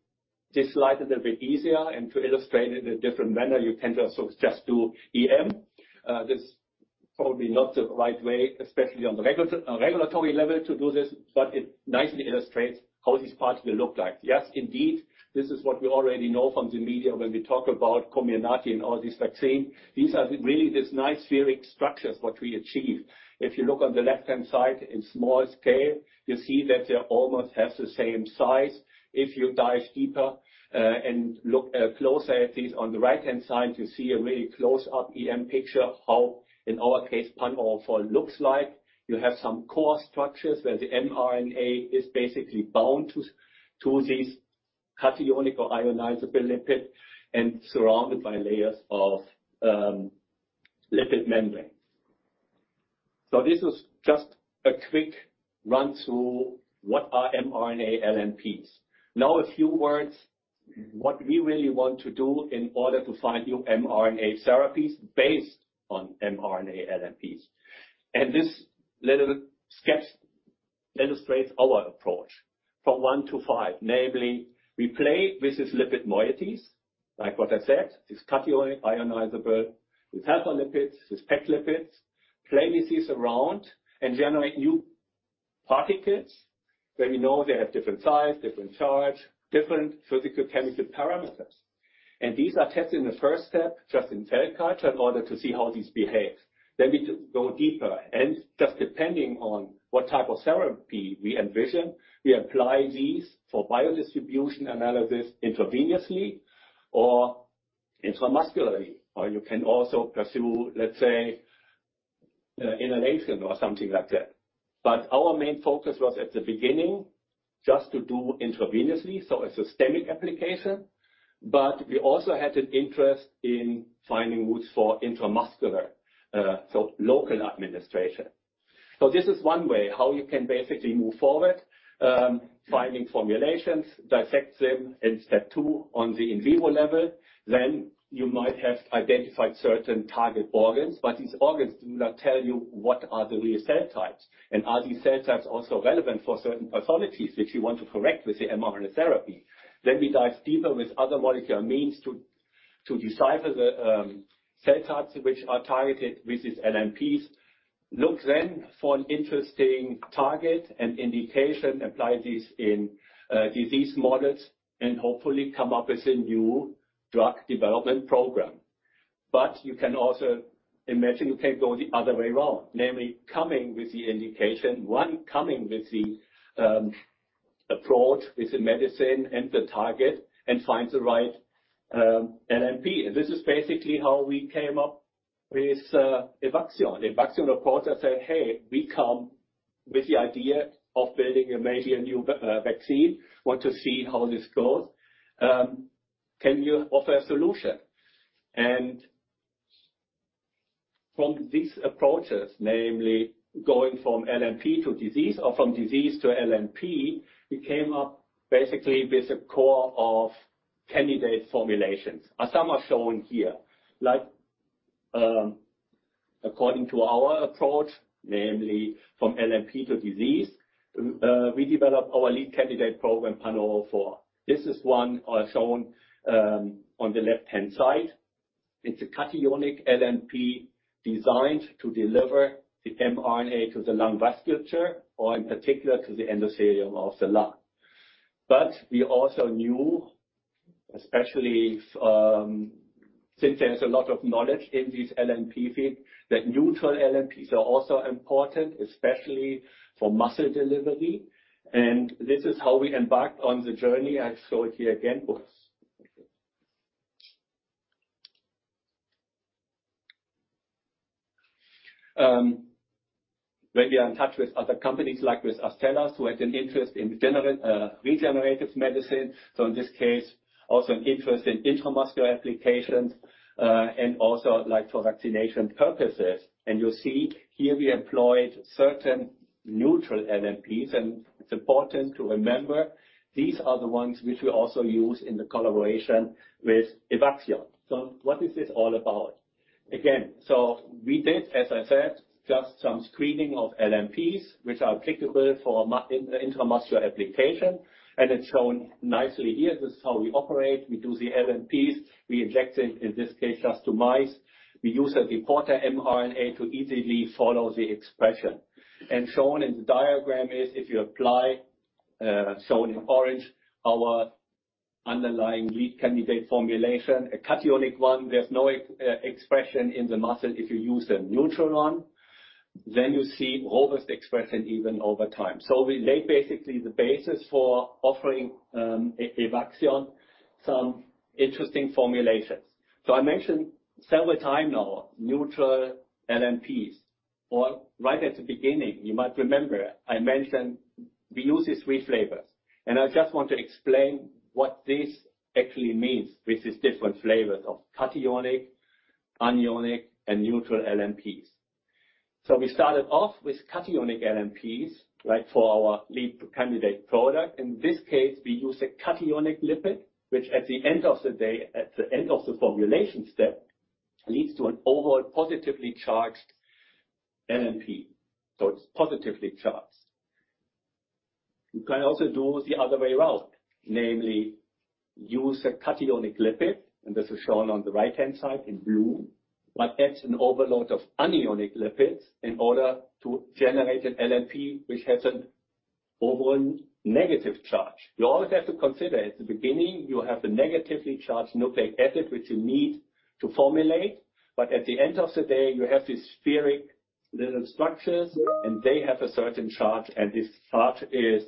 this slide a little bit easier and to illustrate it in a different manner, you tend to also just do EM. This probably not the right way, especially on the regulatory level, to do this, it nicely illustrates how this particle look like. Yes, indeed, this is what we already know from the media when we talk about Comirnaty and all this vaccine. These are really these nice spherical structures, what we achieve. If you look on the left-hand side in small scale, you see that they almost have the same size. If you dive deeper, and look closer at this, on the right-hand side, you see a really close-up EM picture, how, in our case, EVX-04 looks like. You have some core structures, where the mRNA is basically bound to this cationic or ionizable lipid and surrounded by layers of lipid membranes. This was just a quick run through, what are mRNA LNPs? A few words, what we really want to do in order to find new mRNA therapies based on mRNA LNPs. This little steps illustrates our approach from one to five, namely, we play with these lipid moieties, like what I said, this cationic, ionizable, with helper lipids, with PEG lipids, play with these around and generate new particles, where we know they have different size, different charge, different physical, chemical parameters. These are tested in the first step, just in cell culture, in order to see how these behave. We go deeper, and just depending on what type of therapy we envision, we apply these for biodistribution analysis intravenously or intramuscularly, or you can also pursue, let's say, inhalation or something like that. Our main focus was, at the beginning, just to do intravenously, so a systemic application. We also had an interest in finding routes for intramuscular, so local administration. This is one way how you can basically move forward, finding formulations, dissect them in step two on the in vivo level. You might have identified certain target organs, but these organs do not tell you what are the real cell types, and are these cell types also relevant for certain pathologies which you want to correct with the mRNA therapy. We dive deeper with other molecular means to decipher the cell types which are targeted with these LNPs. Look for an interesting target and indication, apply this in disease models, and hopefully come up with a new drug development program. You can also imagine you can go the other way around, namely, coming with the indication, one, coming with the approach, with the medicine and the target, and find the right LNP. This is basically how we came up with Evaxion. Evaxion, of course, I said, "Hey, we come with the idea of building a maybe a new vaccine. Want to see how this goes. Can you offer a solution?" From these approaches, namely going from LNP to disease or from disease to LNP, we came up basically with a core of candidate formulations, and some are shown here. Like, according to our approach, namely from LNP to disease, we developed our lead candidate program, PAN04. This is one shown on the left-hand side. It's a cationic LNP designed to deliver the mRNA to the lung vasculature or in particular, to the endothelium of the lung. We also knew, especially since there's a lot of knowledge in this LNP field, that neutral LNPs are also important, especially for muscle delivery. This is how we embarked on the journey. I show it here again, folks. When we are in touch with other companies like with Astellas, who had an interest in generate regenerative medicine, so in this case, also an interest in intramuscular applications, and also like for vaccination purposes. You see here we employed certain neutral LNPs, and it's important to remember, these are the ones which we also use in the collaboration with Evaxion. What is this all about? We did, as I said, just some screening of LNPs, which are applicable for intramuscular application. It's shown nicely here. This is how we operate. We do the LNPs, we inject it, in this case, just to mice. We use a reporter mRNA to easily follow the expression. Shown in the diagram is if you apply, shown in orange, our underlying lead candidate formulation, a cationic one, there's no expression in the muscle. If you use a neutral one, you see robust expression even over time. We laid basically the basis for offering Evaxion some interesting formulations. I mentioned several time now, neutral LNPs, or right at the beginning, you might remember, I mentioned we use these three flavors. I just want to explain what this actually means with these different flavors of cationic, anionic, and neutral LNPs. We started off with cationic LNPs, like for our lead candidate product. In this case, we use a cationic lipid, which at the end of the day, at the end of the formulation step, leads to an overall positively charged LNP, so it's positively charged. You can also do the other way around, namely, use a cationic lipid, and this is shown on the right-hand side in blue, but adds an overload of anionic lipids in order to generate an LNP, which has an overall negative charge. You always have to consider at the beginning, you have a negatively charged nucleic acid, which you need to formulate. At the end of the day, you have these spherical little structures, and they have a certain charge. This charge is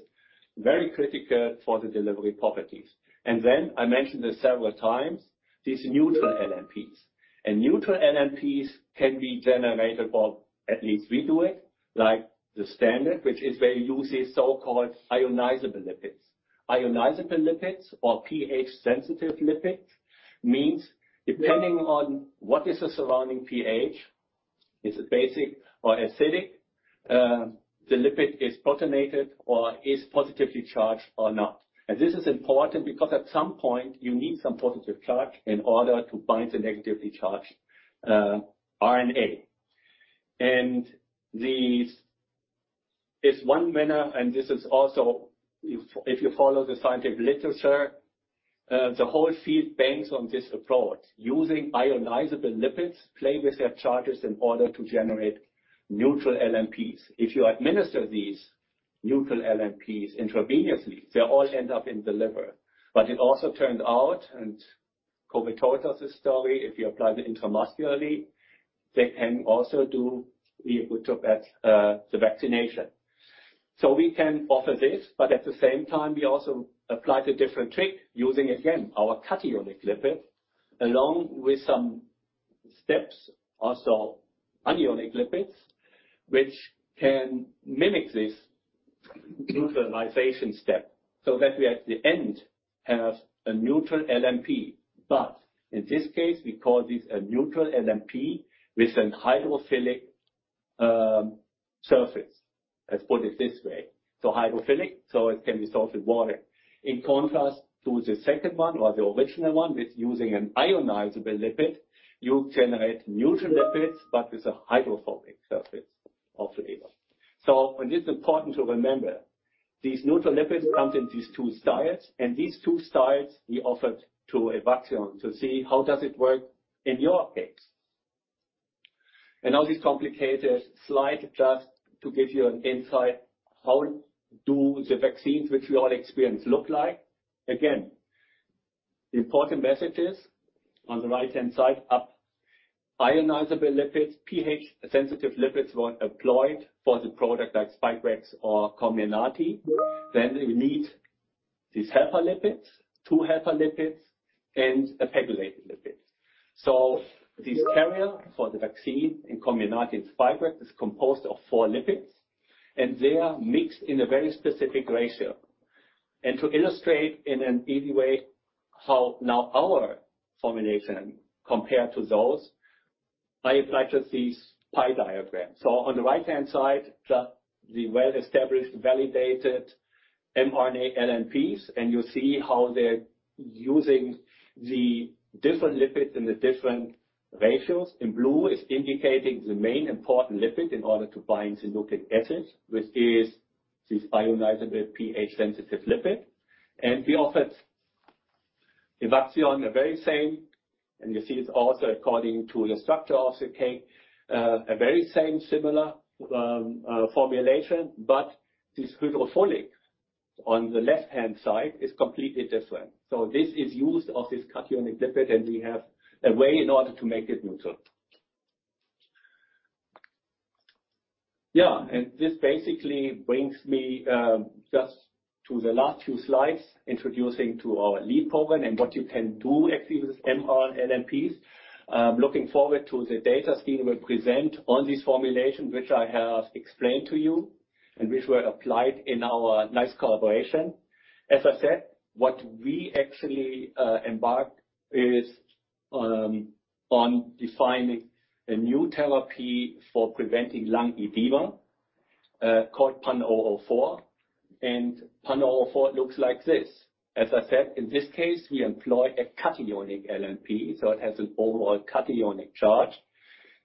very critical for the delivery properties. Then I mentioned this several times, these neutral LNPs. Neutral LNPs can be generated, or at least we do it, like the standard, which is where you use a so-called ionizable lipids. Ionizable lipids or pH-sensitive lipids means, depending on what is the surrounding pH, is it basic or acidic, the lipid is protonated or is positively charged or not. This is important because at some point, you need some positive charge in order to bind the negatively charged RNA. These is one manner, and this is also if you follow the scientific literature, the whole field banks on this approach, using ionizable lipids, play with their charges in order to generate neutral LNPs. If you administer these neutral LNPs intravenously, they all end up in the liver. It also turned out, and Kobi told us this story, if you apply it intramuscularly, they can also do be able to get the vaccination. We can offer this, but at the same time, we also applied a different trick using, again, our cationic lipid, along with some steps, also anionic lipids, which can mimic this neutralization step so that we, at the end, have a neutral LNP. In this case, we call this a neutral LNP with an hydrophilic surface. Let's put it this way. Hydrophilic, so it can be dissolved in water. In contrast to the second one or the original one, with using an ionizable lipid, you generate neutral lipids, but with a hydrophobic surface of lipid. It's important to remember, these neutral lipids come in these two styles, and these two styles we offered to Evaxion to see how does it work in your case. This complicated slide, just to give you an insight, how do the vaccines which we all experience look like? Again, the important message is on the right-hand side, up. Ionizable lipids, pH-sensitive lipids were employed for the product like Spikevax or Comirnaty. You need these helper lipids, two helper lipids, and a pegylated lipid. This carrier for the vaccine in Comirnaty and Spikevax, is composed of four lipids, and they are mixed in a very specific ratio. To illustrate in an easy way, how now our formulation compared to those, I applied just these pie diagrams. On the right-hand side, just the well-established, validated- mRNA LNPs, and you see how they're using the different lipids in the different ratios. In blue is indicating the main important lipid in order to bind the nucleic acids, which is this ionizable pH-sensitive lipid. We offered Evaxion the very same, and you see it's also according to the structure of the K, a very same similar formulation, but this hydrophilic on the left-hand side is completely different. This is used of this cationic lipid, and we have a way in order to make it neutral. Yeah, this basically brings me just to the last few slides, introducing to our lead program and what you can do actually, with this mRNA LNPs. Looking forward to the data scheme we present on this formulation, which I have explained to you and which were applied in our nice collaboration. As I said, what we actually embarked is on defining a new therapy for preventing lung edema, called PAN004, and PAN004 looks like this. As I said, in this case, we employ a cationic LNP, so it has an overall cationic charge.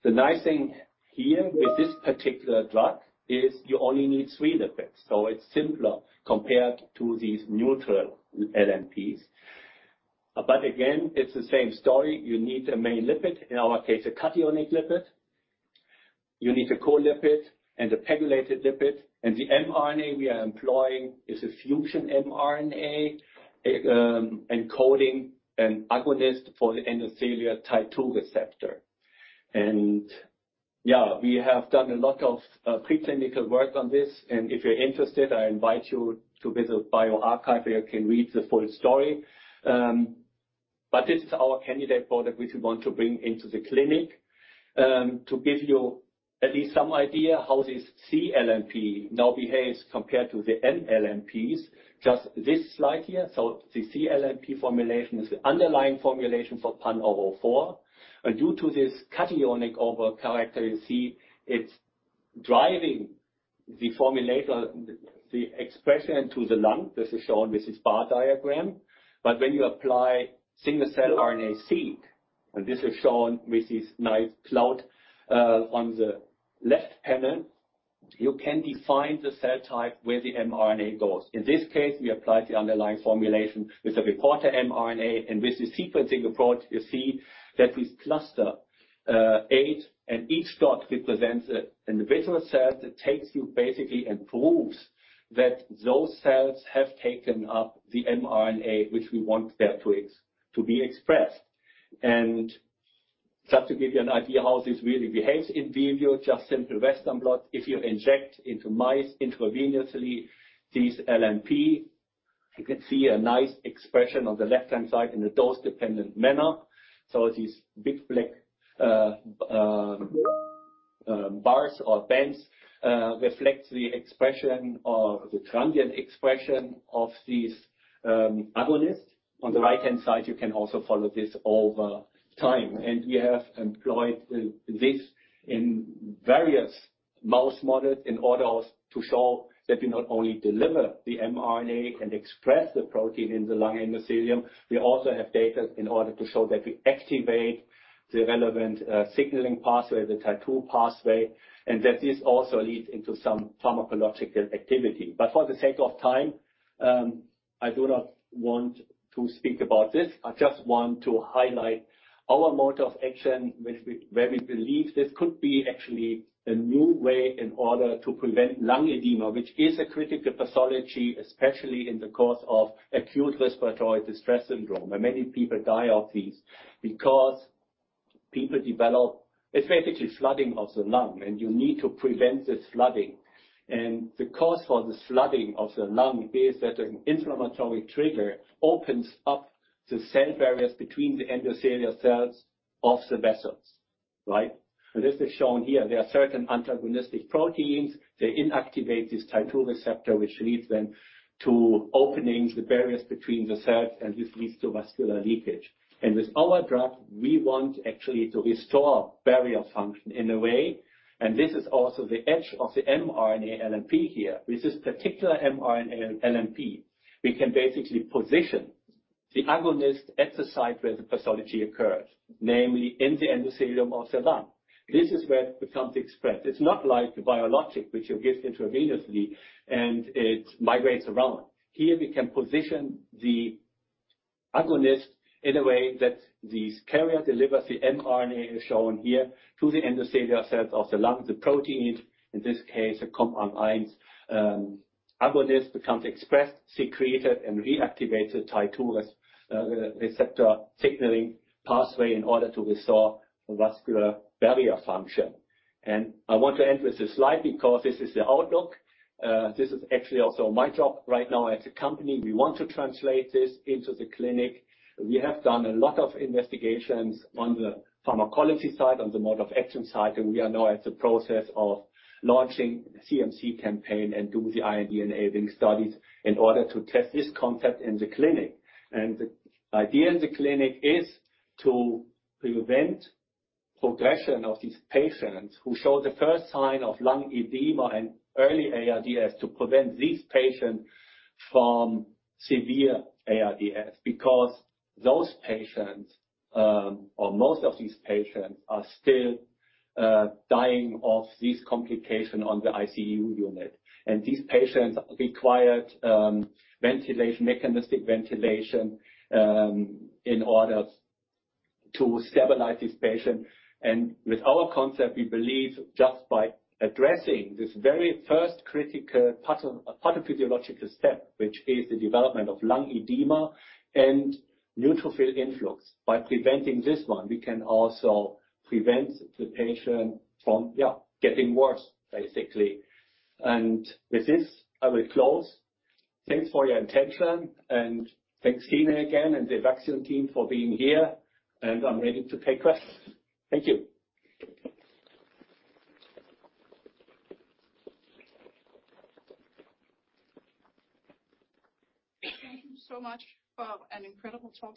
The nice thing here with this particular drug is you only need three lipids, so it's simpler compared to these neutral LNPs. Again, it's the same story. You need a main lipid, in our case, a cationic lipid. You need a co-lipid and a pegylated lipid, and the mRNA we are employing is a fusion mRNA, encoding an agonist for the endothelial Tie2 receptor. Yeah, we have done a lot of preclinical work on this, and if you're interested, I invite you to visit bioRxiv, where you can read the full story. This is our candidate product, which we want to bring into the clinic. To give you at least some idea how this cLNP now behaves compared to the nLNPs, just this slide here. The cLNP formulation is the underlying formulation for PAN004, and due to this cationic overall character, you see it's driving the formulation, the expression into the lung. This is shown with this bar diagram. When you apply single-cell RNA-seq, and this is shown with this nice cloud on the left panel, you can define the cell type where the mRNA goes. In this case, we applied the underlying formulation with a reporter mRNA. With the sequencing approach, you see that we cluster eight, and each dot represents an individual cell that takes you basically and proves that those cells have taken up the mRNA, which we want there to be expressed. Just to give you an idea how this really behaves in vivo, just simple Western blot. If you inject into mice intravenously, this LNP, you can see a nice expression on the left-hand side in a dose-dependent manner. These big, black bars or bands reflect the expression of the transient expression of this agonist. On the right-hand side, you can also follow this over time. We have employed this in various mouse models in order to show that we not only deliver the mRNA and express the protein in the lung endothelium, we also have data in order to show that we activate the relevant signaling pathway, the Tie2 pathway, and that this also leads into some pharmacological activity. For the sake of time, I do not want to speak about this. I just want to highlight our mode of action, where we believe this could be actually a new way in order to prevent lung edema, which is a critical pathology, especially in the course of acute respiratory distress syndrome, and many people die of this because people develop effectively, flooding of the lung, and you need to prevent this flooding. The cause for this flooding of the lung is that an inflammatory trigger opens up the cell barriers between the endothelial cells of the vessels, right? This is shown here. There are certain antagonistic proteins. They inactivate this Tie2 receptor, which leads then to opening the barriers between the cells, and this leads to vascular leakage. With our drug, we want actually to restore barrier function in a way, and this is also the edge of the mRNA LNP here. With this particular mRNA LNP, we can basically position the agonist at the site where the pathology occurs, namely in the endothelium of the lung. This is where it becomes expressed. It's not like the biologic, which you give intravenously and it migrates around. Here, we can position the agonist in a way that this carrier delivers the mRNA, as shown here, to the endothelial cells of the lung. The protein, in this case, a compound I, agonist, becomes expressed, secreted, and reactivates the Tie2 receptor signaling pathway in order to restore the vascular barrier function. I want to end with this slide because this is the outlook. This is actually also my job right now as a company. We want to translate this into the clinic. We have done a lot of investigations on the pharmacology side, on the mode of action side, and we are now at the process of launching CMC campaign and do the IND-enabling studies in order to test this concept in the clinic. The idea in the clinic is to prevent. progression of these patients who show the first sign of lung edema and early ARDS, to prevent these patients from severe ARDS. Those patients, or most of these patients, are still dying of this complication on the ICU unit. These patients required ventilation, mechanistic ventilation, in order to stabilize this patient. With our concept, we believe just by addressing this very first critical pathophysiological step, which is the development of lung edema and neutrophil influx, by preventing this one, we can also prevent the patient from, yeah, getting worse, basically. With this, I will close. Thanks for your attention, and thanks Tine, again, and the vaccine team for being here, and I'm ready to take questions. Thank you. Thank you so much for an incredible talk.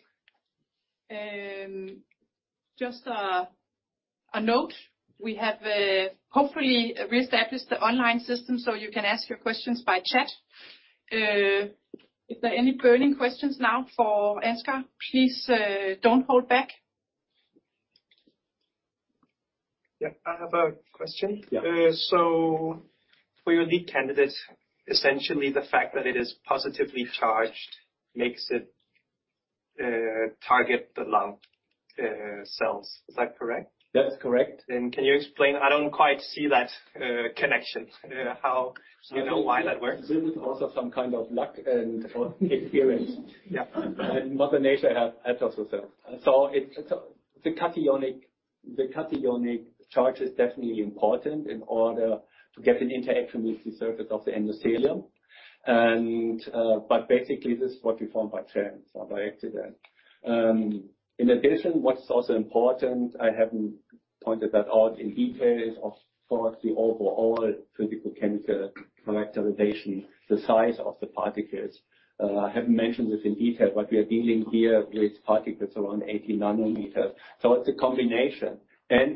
just a note, we have hopefully reestablished the online system so you can ask your questions by chat. If there are any burning questions now for Ansgar, please don't hold back. Yeah, I have a question. Yeah. For your lead candidate, essentially the fact that it is positively charged makes it target the lung cells. Is that correct? That's correct. Can you explain? I don't quite see that connection, how you know why that works. There was also some kind of luck and/or experience. Yeah. Mother Nature helped us also. The cationic charge is definitely important in order to get an interaction with the surface of the endothelium. Basically, this is what we found by chance or by accident. In addition, what's also important, I haven't pointed that out in detail, is of course, the overall physicochemical characterization, the size of the particles. I haven't mentioned this in detail, but we are dealing here with particles around 80 nanometers. It's a combination.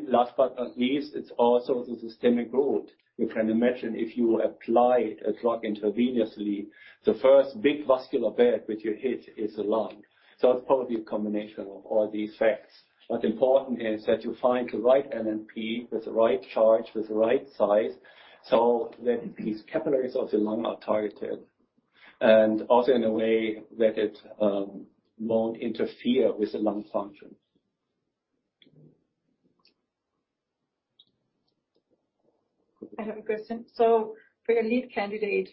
Last but not least, it's also the systemic route. You can imagine if you apply a drug intravenously, the first big vascular bed which you hit is the lung. It's probably a combination of all these facts. What's important is that you find the right LNP, with the right charge, with the right size, so that these capillaries of the lung are targeted, and also in a way that it won't interfere with the lung function. I have a question. For your lead candidate,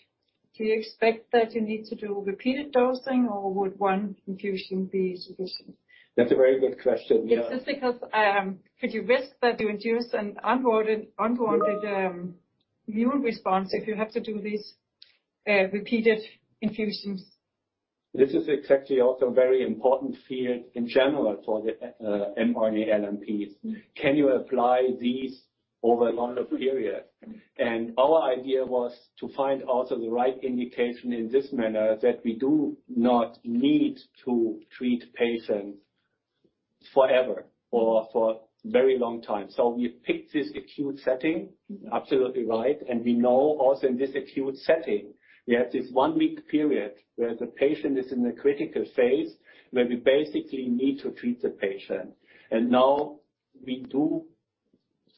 do you expect that you need to do repeated dosing or would one infusion be sufficient? That's a very good question. Yeah. It's just because, could you risk that you induce an unwanted immune response if you have to do these, repeated infusions? This is exactly also a very important field in general for the mRNA LNPs. Mm. Can you apply these over a longer period? Our idea was to find also the right indication in this manner, that we do not need to treat patients forever or for very long time. We picked this acute setting. Mm. absolutely right. We know also in this acute setting, we have this one-week period where the patient is in a critical phase, where we basically need to treat the patient. Now we do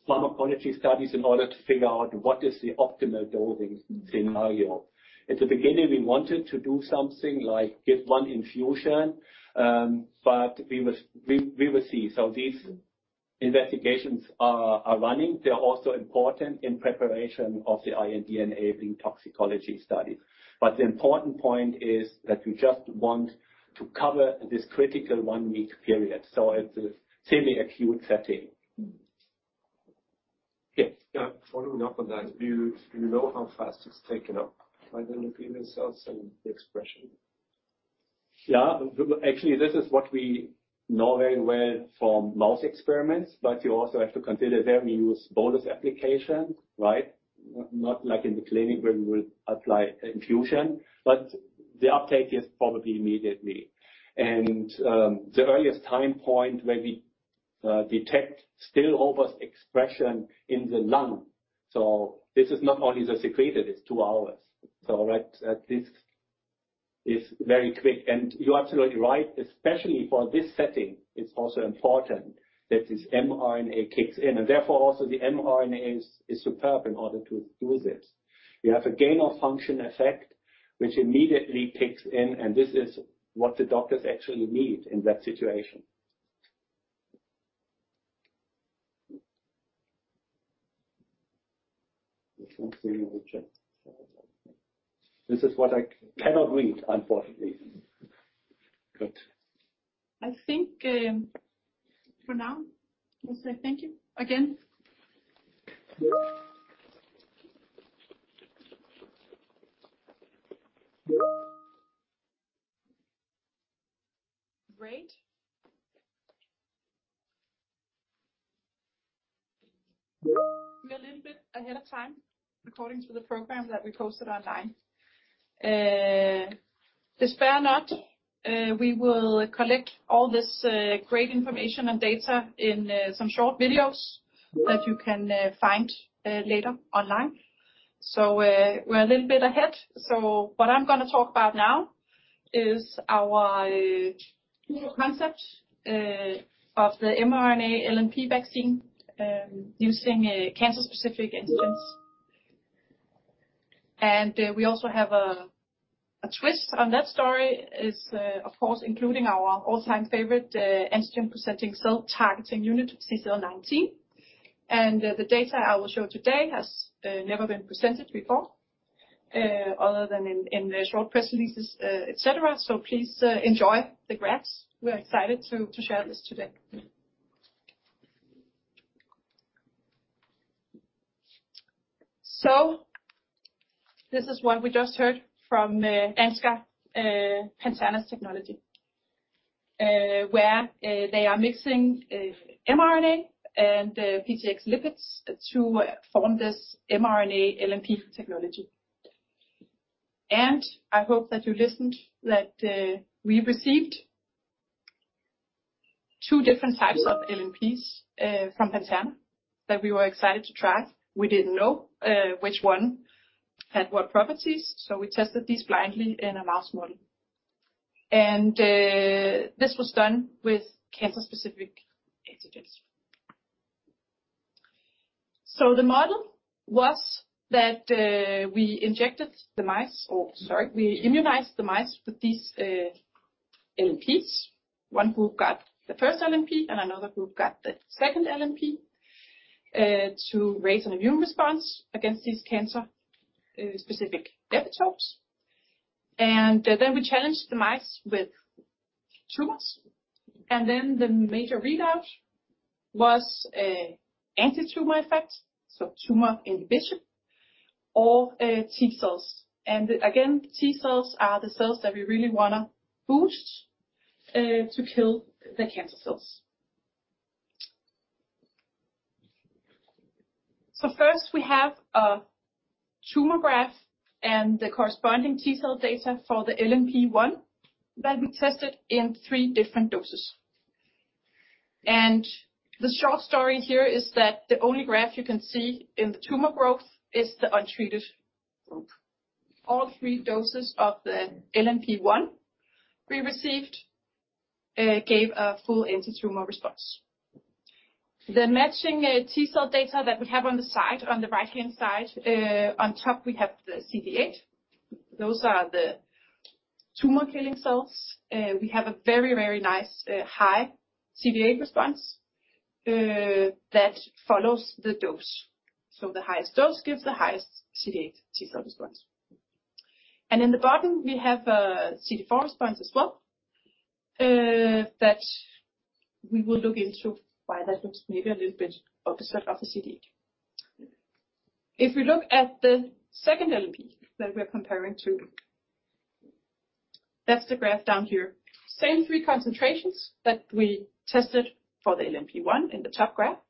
pharmacology studies in order to figure out what is the optimal dosing scenario. At the beginning, we wanted to do something like give one infusion, but we will see. These investigations are running. They're also important in preparation of the IND-enabling toxicology study. The important point is that we just want to cover this critical one-week period, so it's mainly acute setting. Mm. Yeah. Yeah, following up on that, do you know how fast it's taken up by the nucleolar cells and the expression? Yeah. Actually, this is what we know very well from mouse experiments. You also have to consider there we use bolus application, right? Not like in the clinic, where we will apply infusion. The uptake is probably immediately. The earliest time point where we detect still overexpression in the lung, so this is not only the secreted, it's 2 hours. Right, this is very quick. You're absolutely right, especially for this setting, it's also important that this mRNA kicks in, and therefore, also the mRNA is superb in order to do this. You have a gain of function effect, which immediately kicks in, and this is what the doctors actually need in that situation. This one here, we'll check. This is what I cannot read, unfortunately. Good. I think, for now, we'll say thank you again. Great. We're a little bit ahead of time, according to the program that we posted online. Despair not, we will collect all this great information and data in some short videos that you can find later online. We're a little bit ahead. What I'm gonna talk about now is our concept of the mRNA-LNP vaccine using a cancer-specific antigens. We also have a twist on that story is, of course, including our all-time favorite antigen-presenting cell targeting unit, CD19. The data I will show today has never been presented before, other than in the short press releases, et cetera. Please enjoy the graphs. We're excited to share this today. This is what we just heard from Ansgar Santel's technology, where they are mixing mRNA and PIONEER lipids to form this mRNA LNP technology. I hope that you listened that we received two different types of LNPs from Pantherna that we were excited to try. We didn't know which one had what properties, so we tested these blindly in a mouse model. This was done with cancer-specific antigens. The model was that we injected the mice or, sorry, we immunized the mice with these LNPs. 1 group got the first LNP, and another group got the second LNP to raise an immune response against these cancer-specific epitopes. Then we challenged the mice with tumors. Then the major readout was an anti-tumor effect, so tumor inhibition or T cells. Again, T cells are the cells that we really want to boost to kill the cancer cells. First we have a tumor graph and the corresponding T cell data for the LNP01 that we tested in 3 different doses. The short story here is that the only graph you can see in the tumor growth is the untreated group. All 3 doses of the LNP01 we received gave a full anti-tumor response. The matching T cell data that we have on the side, on the right-hand side, on top, we have the CD8. Those are the tumor killing cells. We have a very nice high CD8 response that follows the dose. The highest dose gives the highest CD8 T cell response. In the bottom we have a CD4 response as well, that we will look into why that looks maybe a little bit opposite of the CD8. If we look at the second LNP that we're comparing to, that's the graph down here. Same 3 concentrations that we tested for the LNP 1 in the top graph.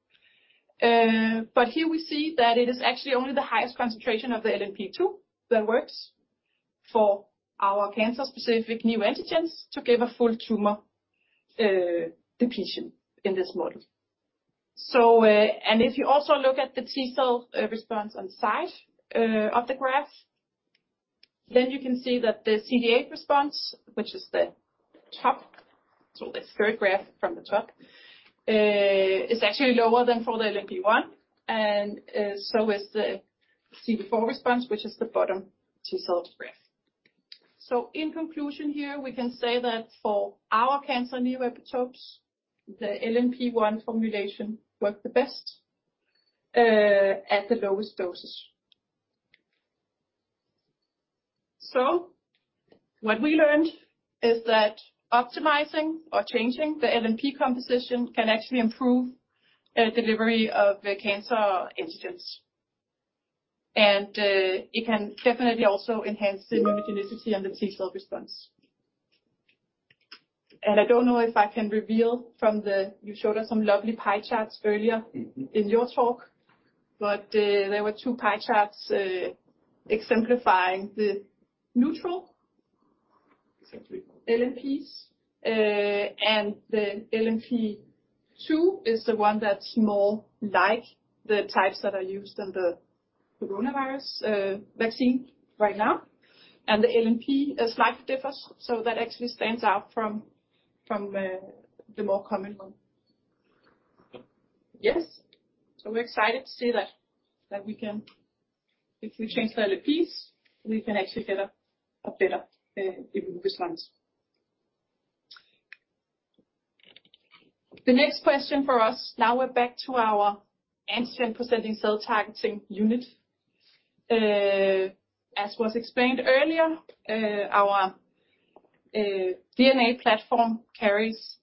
Here we see that it is actually only the highest concentration of the LNP 2 that works for our cancer-specific new antigens to give a full tumor depletion in this model. If you also look at the T cell response on the side of the graph, then you can see that the CD8 response, which is the top, so the third graph from the top, is actually lower than for the LNP01, and so is the CD4 response, which is the bottom T cell graph. In conclusion here, we can say that for our cancer neoepitopes, the LNP01 formulation worked the best at the lowest dosage. What we learned is that optimizing or changing the LNP composition can actually improve delivery of the cancer antigens, and it can definitely also enhance the immunogenicity and the T cell response. I don't know if I can reveal from the... You showed us some lovely pie charts earlier in your talk, but, there were two pie charts, exemplifying the. Exactly. LNPs. The LNP02 is the one that's more like the types that are used in the coronavirus vaccine right now, and the LNP is slightly differs. That actually stands out from the more common one. Yes. We're excited to see that we can, if we change the LNPs, we can actually get a better immune response. The next question for us now we're back to our antigen-presenting cell targeting unit. As was explained earlier, our DNA platform carries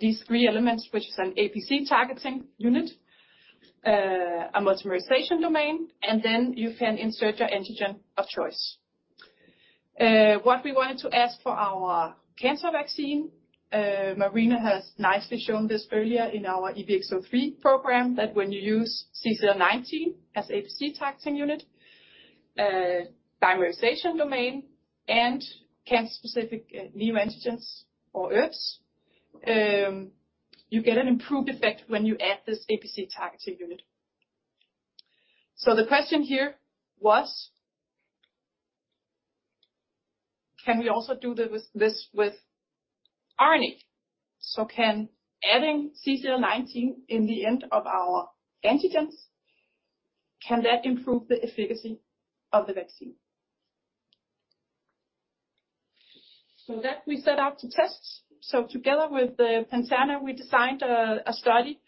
these three elements, which is an APC targeting unit, a modularization domain, and then you can insert your antigen of choice. What we wanted to ask for our cancer vaccine, Marina has nicely shown this earlier in our EVX-03 program, that when you use CCL19 as APC targeting unit, dimerization unit and cancer specific neoepitopes or IRFs, you get an improved effect when you add this APC targeting unit. The question here was: Can we also do this with RNA? Can adding CCL19 in the end of our antigens, can that improve the efficacy of the vaccine? That we set out to test. Together with the Pantherna, we designed a study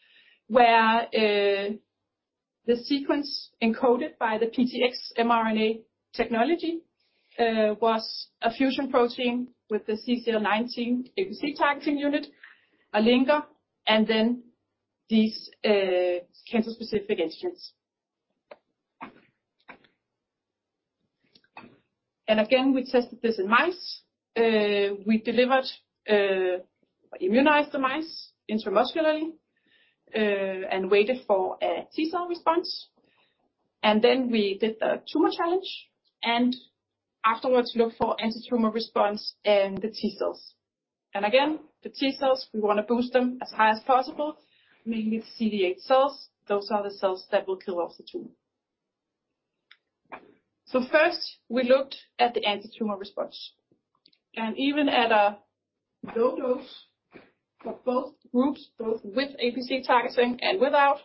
where the sequence encoded by the PTX mRNA technology, was a fusion protein with the CCL19 APC targeting unit, a linker, and then these cancer specific antigens. Again, we tested this in mice. We delivered, immunized the mice intramuscularly, waited for a T cell response. We did the tumor challenge and afterwards looked for antitumor response in the T cells. The T cells, we want to boost them as high as possible, mainly CD8 cells. Those are the cells that will kill off the tumor. First we looked at the antitumor response, and even at a low dose for both groups, both with APC targeting and without,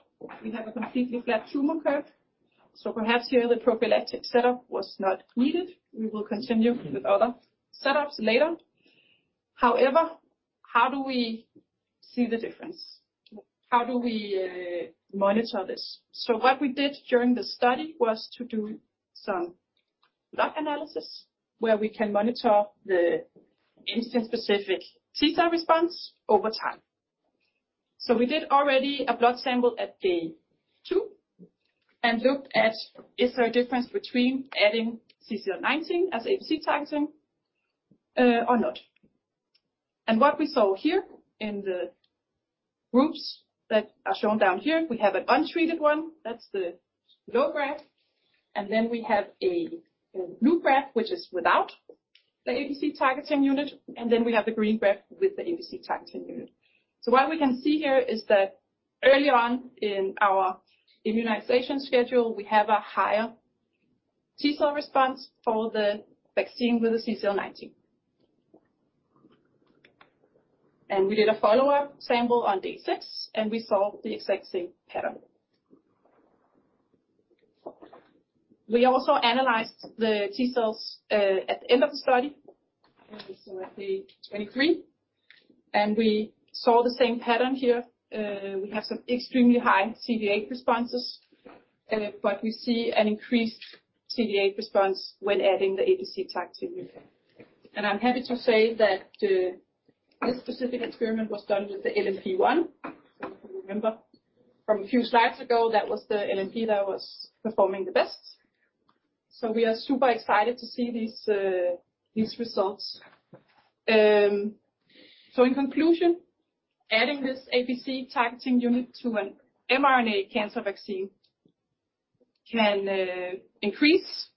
we have a completely flat tumor curve. Perhaps here the prophylactic setup was not needed. We will continue with other setups later. How do we see the difference? How do we monitor this? What we did during the study was to do some blood analysis, where we can monitor the antigen specific T cell response over time. We did already a blood sample at day 2 and looked at, is there a difference between adding CCL19 as APC targeting or not? What we saw here in the groups that are shown down here, we have an untreated one, that's the low graph. We have a blue graph, which is without the APC targeting unit, we have the green graph with the APC targeting unit. What we can see here is that early on in our immunization schedule, we have a higher T cell response for the vaccine with the CCL19. We did a follow-up sample on day 6, we saw the exact same pattern. We also analyzed the T cells at the end of the study, so at day 23, we saw the same pattern here. We have some extremely high CD8 responses, we see an increased CD8 response when adding the APC targeting unit. I'm happy to say that this specific experiment was done with the LNP01. If you remember from a few slides ago, that was the LNP that was performing the best. We are super excited to see these results. In conclusion, adding this APC targeting unit to an mRNA cancer vaccine can increase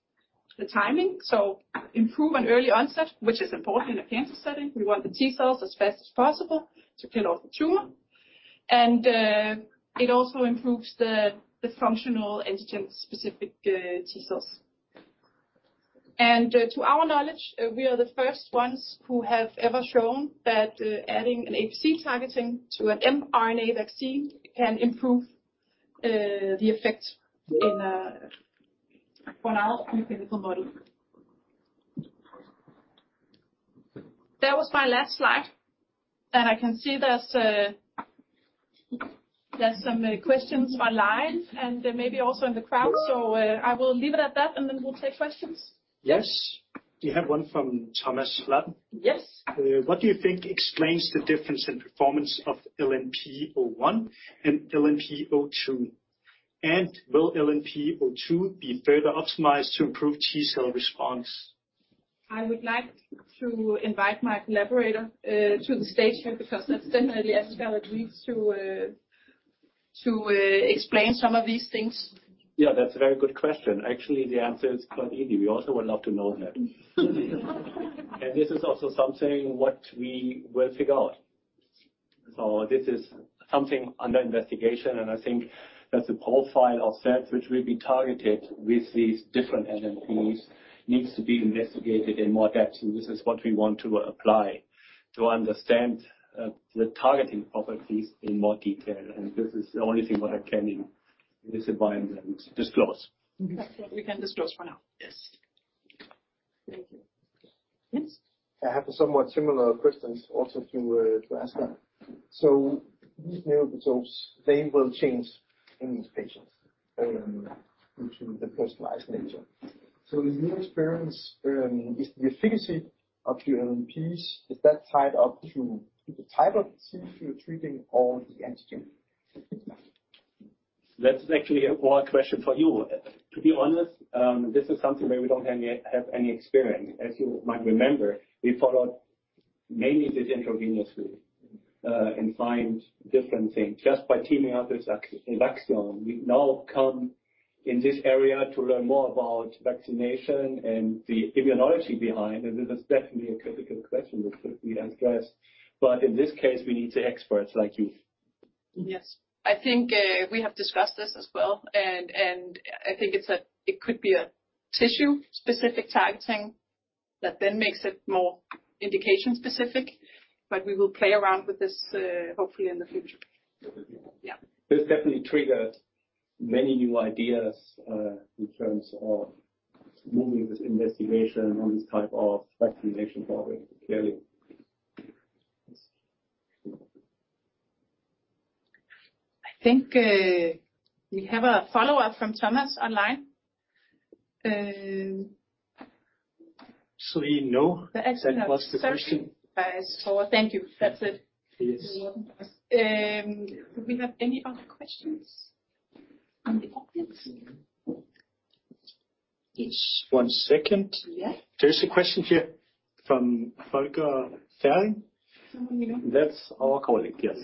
the timing, so improve on early onset, which is important in a cancer setting. We want the T cells as fast as possible to kill off the tumor, it also improves the functional antigen specific T cells. To our knowledge, we are the first ones who have ever shown that adding an APC targeting to an mRNA vaccine can improve, the effect in, on our preclinical model. That was my last slide, and I can see there's some questions online and then maybe also in the crowd. I will leave it at that, and then we'll take questions. Yes, we have one from Thomas Flaten. Yes. What do you think explains the difference in performance of LNP01 and LNP02? Will LNP02 be further optimized to improve T cell response? I would like to invite my collaborator, to the stage here, because that's definitely Ansgar that needs to explain some of these things. Yeah, that's a very good question. Actually, the answer is quite easy. We also would love to know that. This is also something what we will figure out. This is something under investigation, and I think that the profile of set which will be targeted with these different LNPs needs to be investigated in more depth, and this is what we want to apply to understand, the targeting properties in more detail. This is the only thing what I can in this environment disclose. That's what we can disclose for now. Yes. Thank you. Yes. I have a somewhat similar questions also to Ansgar. These new results, they will change in patients or into the personalized nature. In your experience, is the efficacy of your LNPs, is that tied up to the type of disease you're treating or the antigen? That's actually more a question for you. To be honest, this is something where we don't have yet any experience. As you might remember, we followed mainly the intravenous route and find different things. Just by teaming up with vaccine, we now come in this area to learn more about vaccination and the immunology behind, and this is definitely a critical question that could be addressed, but in this case, we need the experts like you. Yes. I think, we have discussed this as well, and I think it could be a tissue-specific targeting that then makes it more indication-specific, but we will play around with this, hopefully in the future. Yeah. This definitely triggers many new ideas, in terms of moving this investigation on this type of vaccination forward, clearly. I think, we have a follow-up from Thomas online. Actually, no, that was the question. Thank you. That's it. Yes. Do we have any other questions on the audience? Yes, one second. Yeah. There's a question here from Volker Ferring. That's our colleague, yes.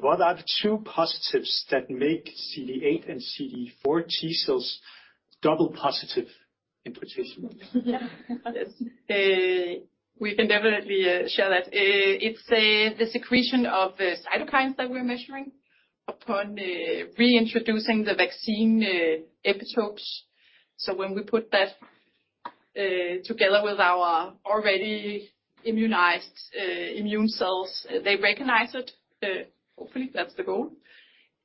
What are the two positives that make CD8 and CD4 T cells double positive in potential? Yes. We can definitely share that. It's the secretion of the cytokines that we're measuring upon reintroducing the vaccine epitopes. When we put that together with our already immunized immune cells, they recognize it, hopefully, that's the goal.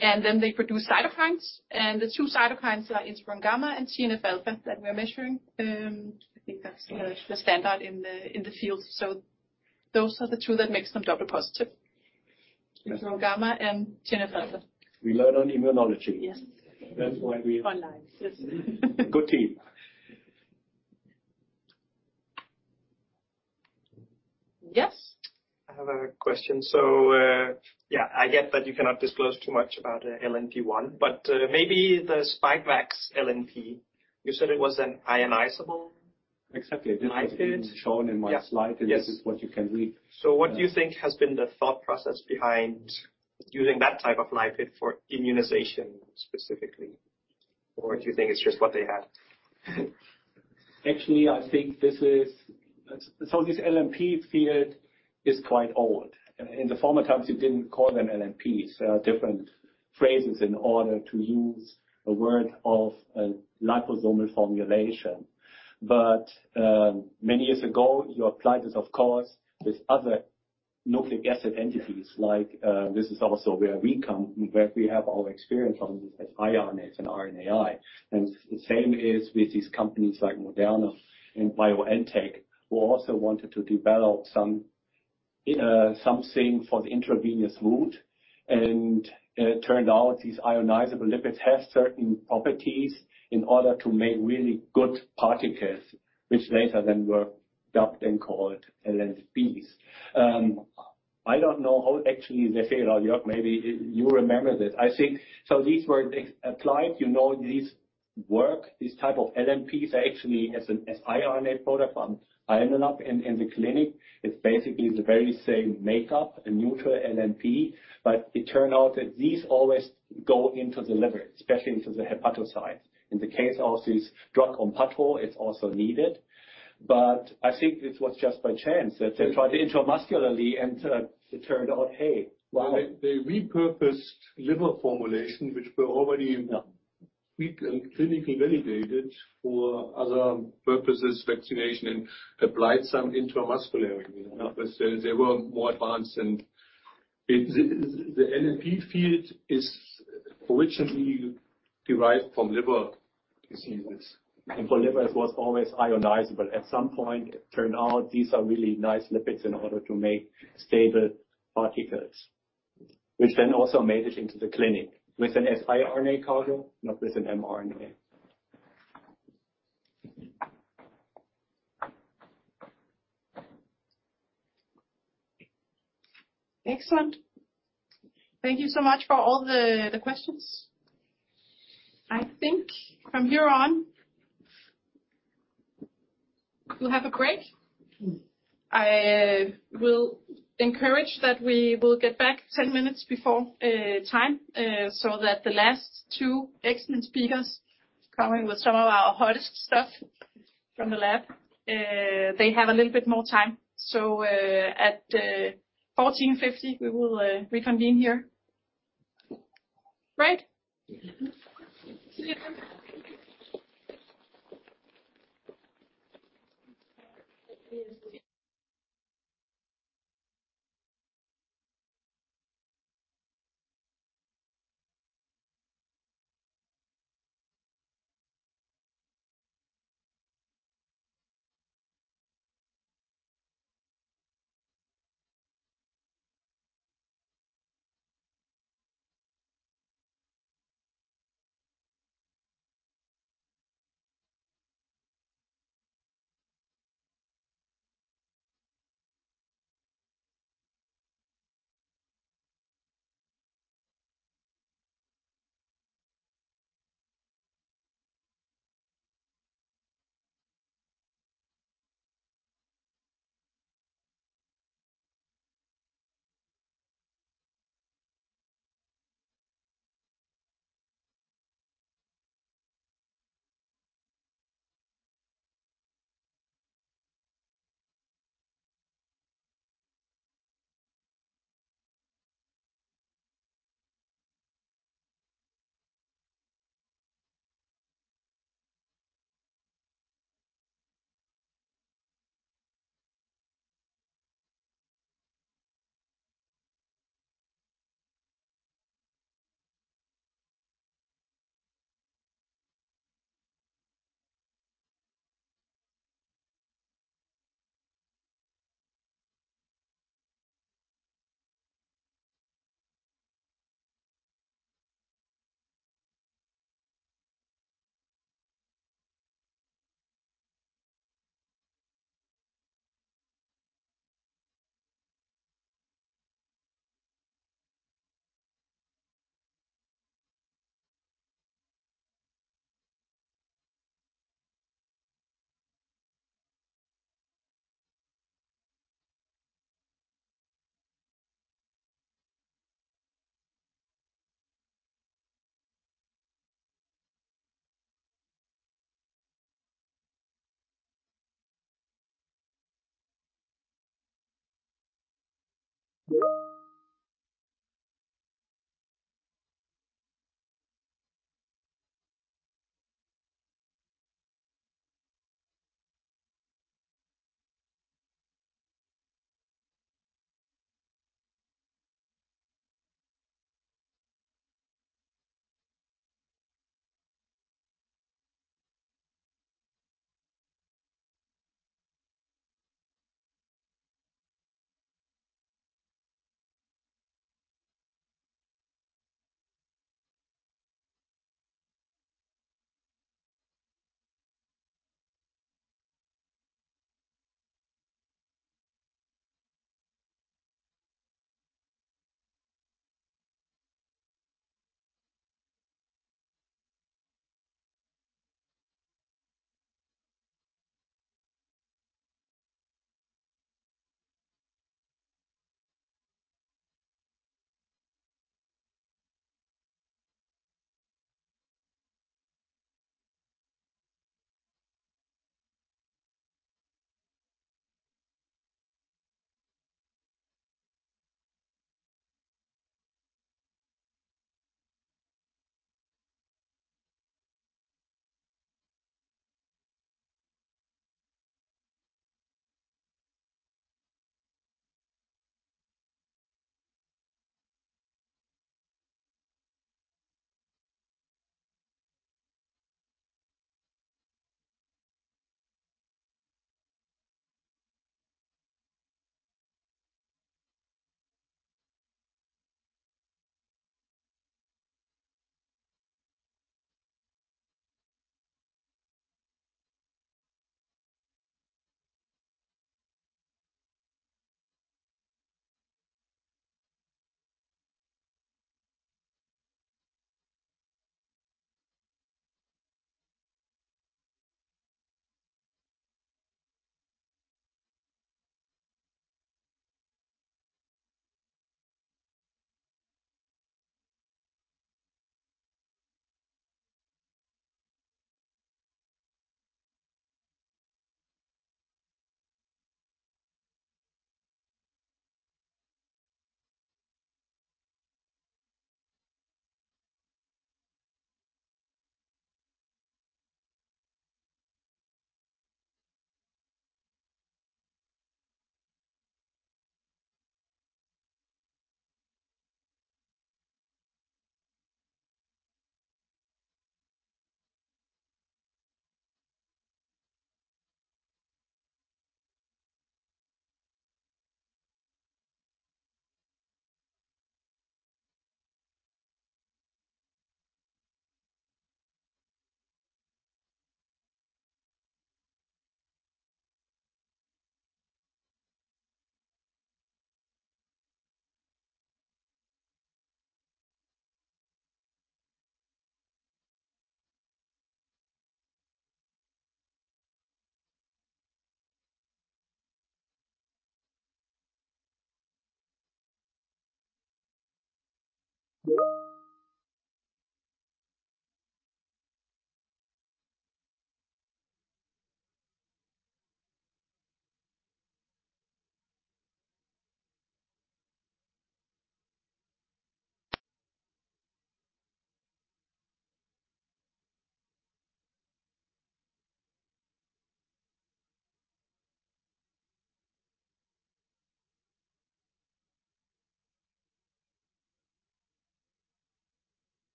They produce cytokines, and the two cytokines are interferon gamma and TNF alpha, that we are measuring. I think that's the standard in the field. Those are the two that makes them double positive. Interferon gamma and TNF alpha. We learn on immunology. Yes. That's why. Online. Yes. Good team. Yes? I have a question. Yeah, I get that you cannot disclose too much about LNP 1, but maybe the Spikevax LNP. You said it was an ionizable? Exactly. Lipid. Shown in my slide. Yes. This is what you can read. What do you think has been the thought process behind using that type of lipid for immunization, specifically? Or do you think it's just what they have? I think this LNP field is quite old. In the former times, you didn't call them LNPs. There are different phrases in order to use a word of a liposomal formulation. Many years ago, you applied this, of course, with other nucleic acid entities, like this is also where we come, where we have our experience on sRNAs and RNAi. The same is with these companies like Moderna and BioNTech, who also wanted to develop something for the intravenous route. It turned out these ionizable lipids have certain properties in order to make really good particles, which later then were dubbed and called LNPs. I don't know how actually, Rafael or Jörg, maybe you remember this. I think, these were applied, you know, these work, these type of LNPs, are actually as RNA product. I ended up in the clinic, it's basically the very same makeup, a neutral LNP, but it turned out that these always go into the liver, especially into the hepatocyte. In the case of this drug Onpattro, it's also needed. I think this was just by chance, that they tried it intramuscularly, and it turned out, "Hey, wow! They repurposed liver formulation. Yeah... weak and clinically validated for other purposes, vaccination, and applied some intramuscularly. You know, they were more advanced, and it, the LNP field is originally derived from liver diseases. For liver, it was always ionizable. At some point, it turned out these are really nice lipids in order to make stable particles, which then also made it into the clinic with an sRNA cargo, not with an mRNA. Excellent. Thank you so much for all the questions. I think from here on, we'll have a break. I will encourage that we will get back 10 minutes before time so that the last two excellent speakers coming with some of our hottest stuff from the lab they have a little bit more time. At 14:50 we will reconvene here.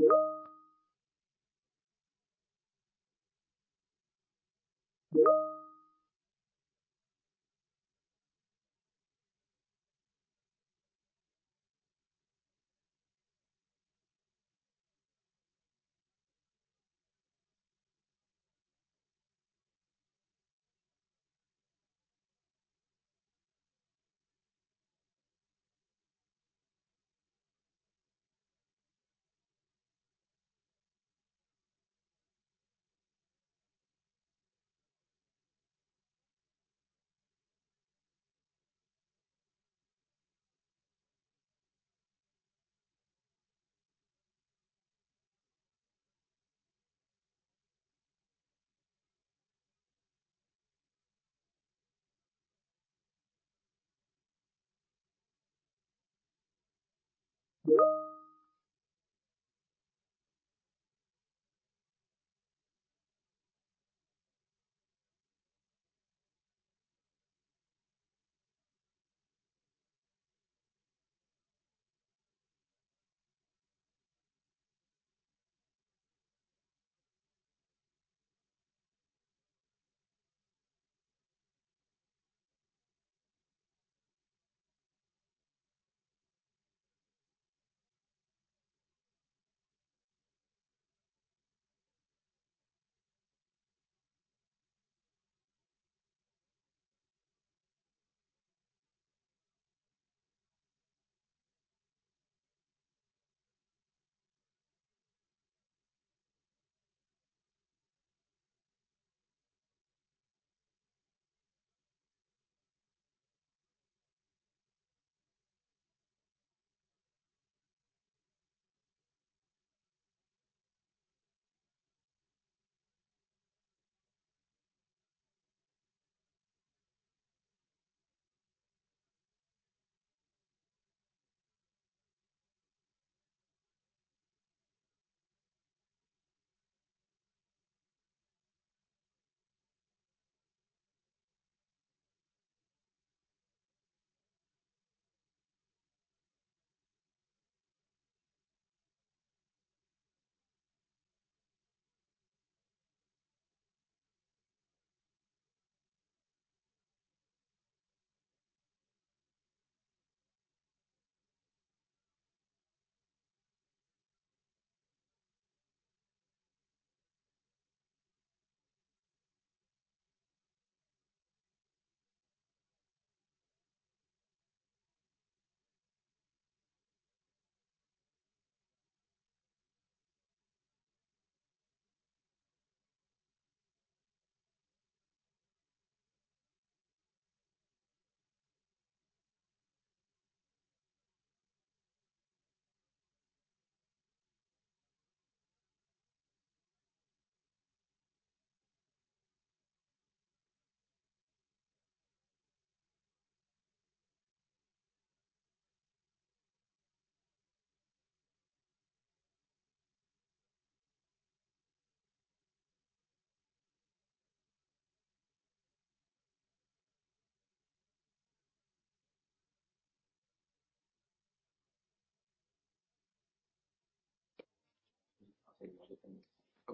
Right? See you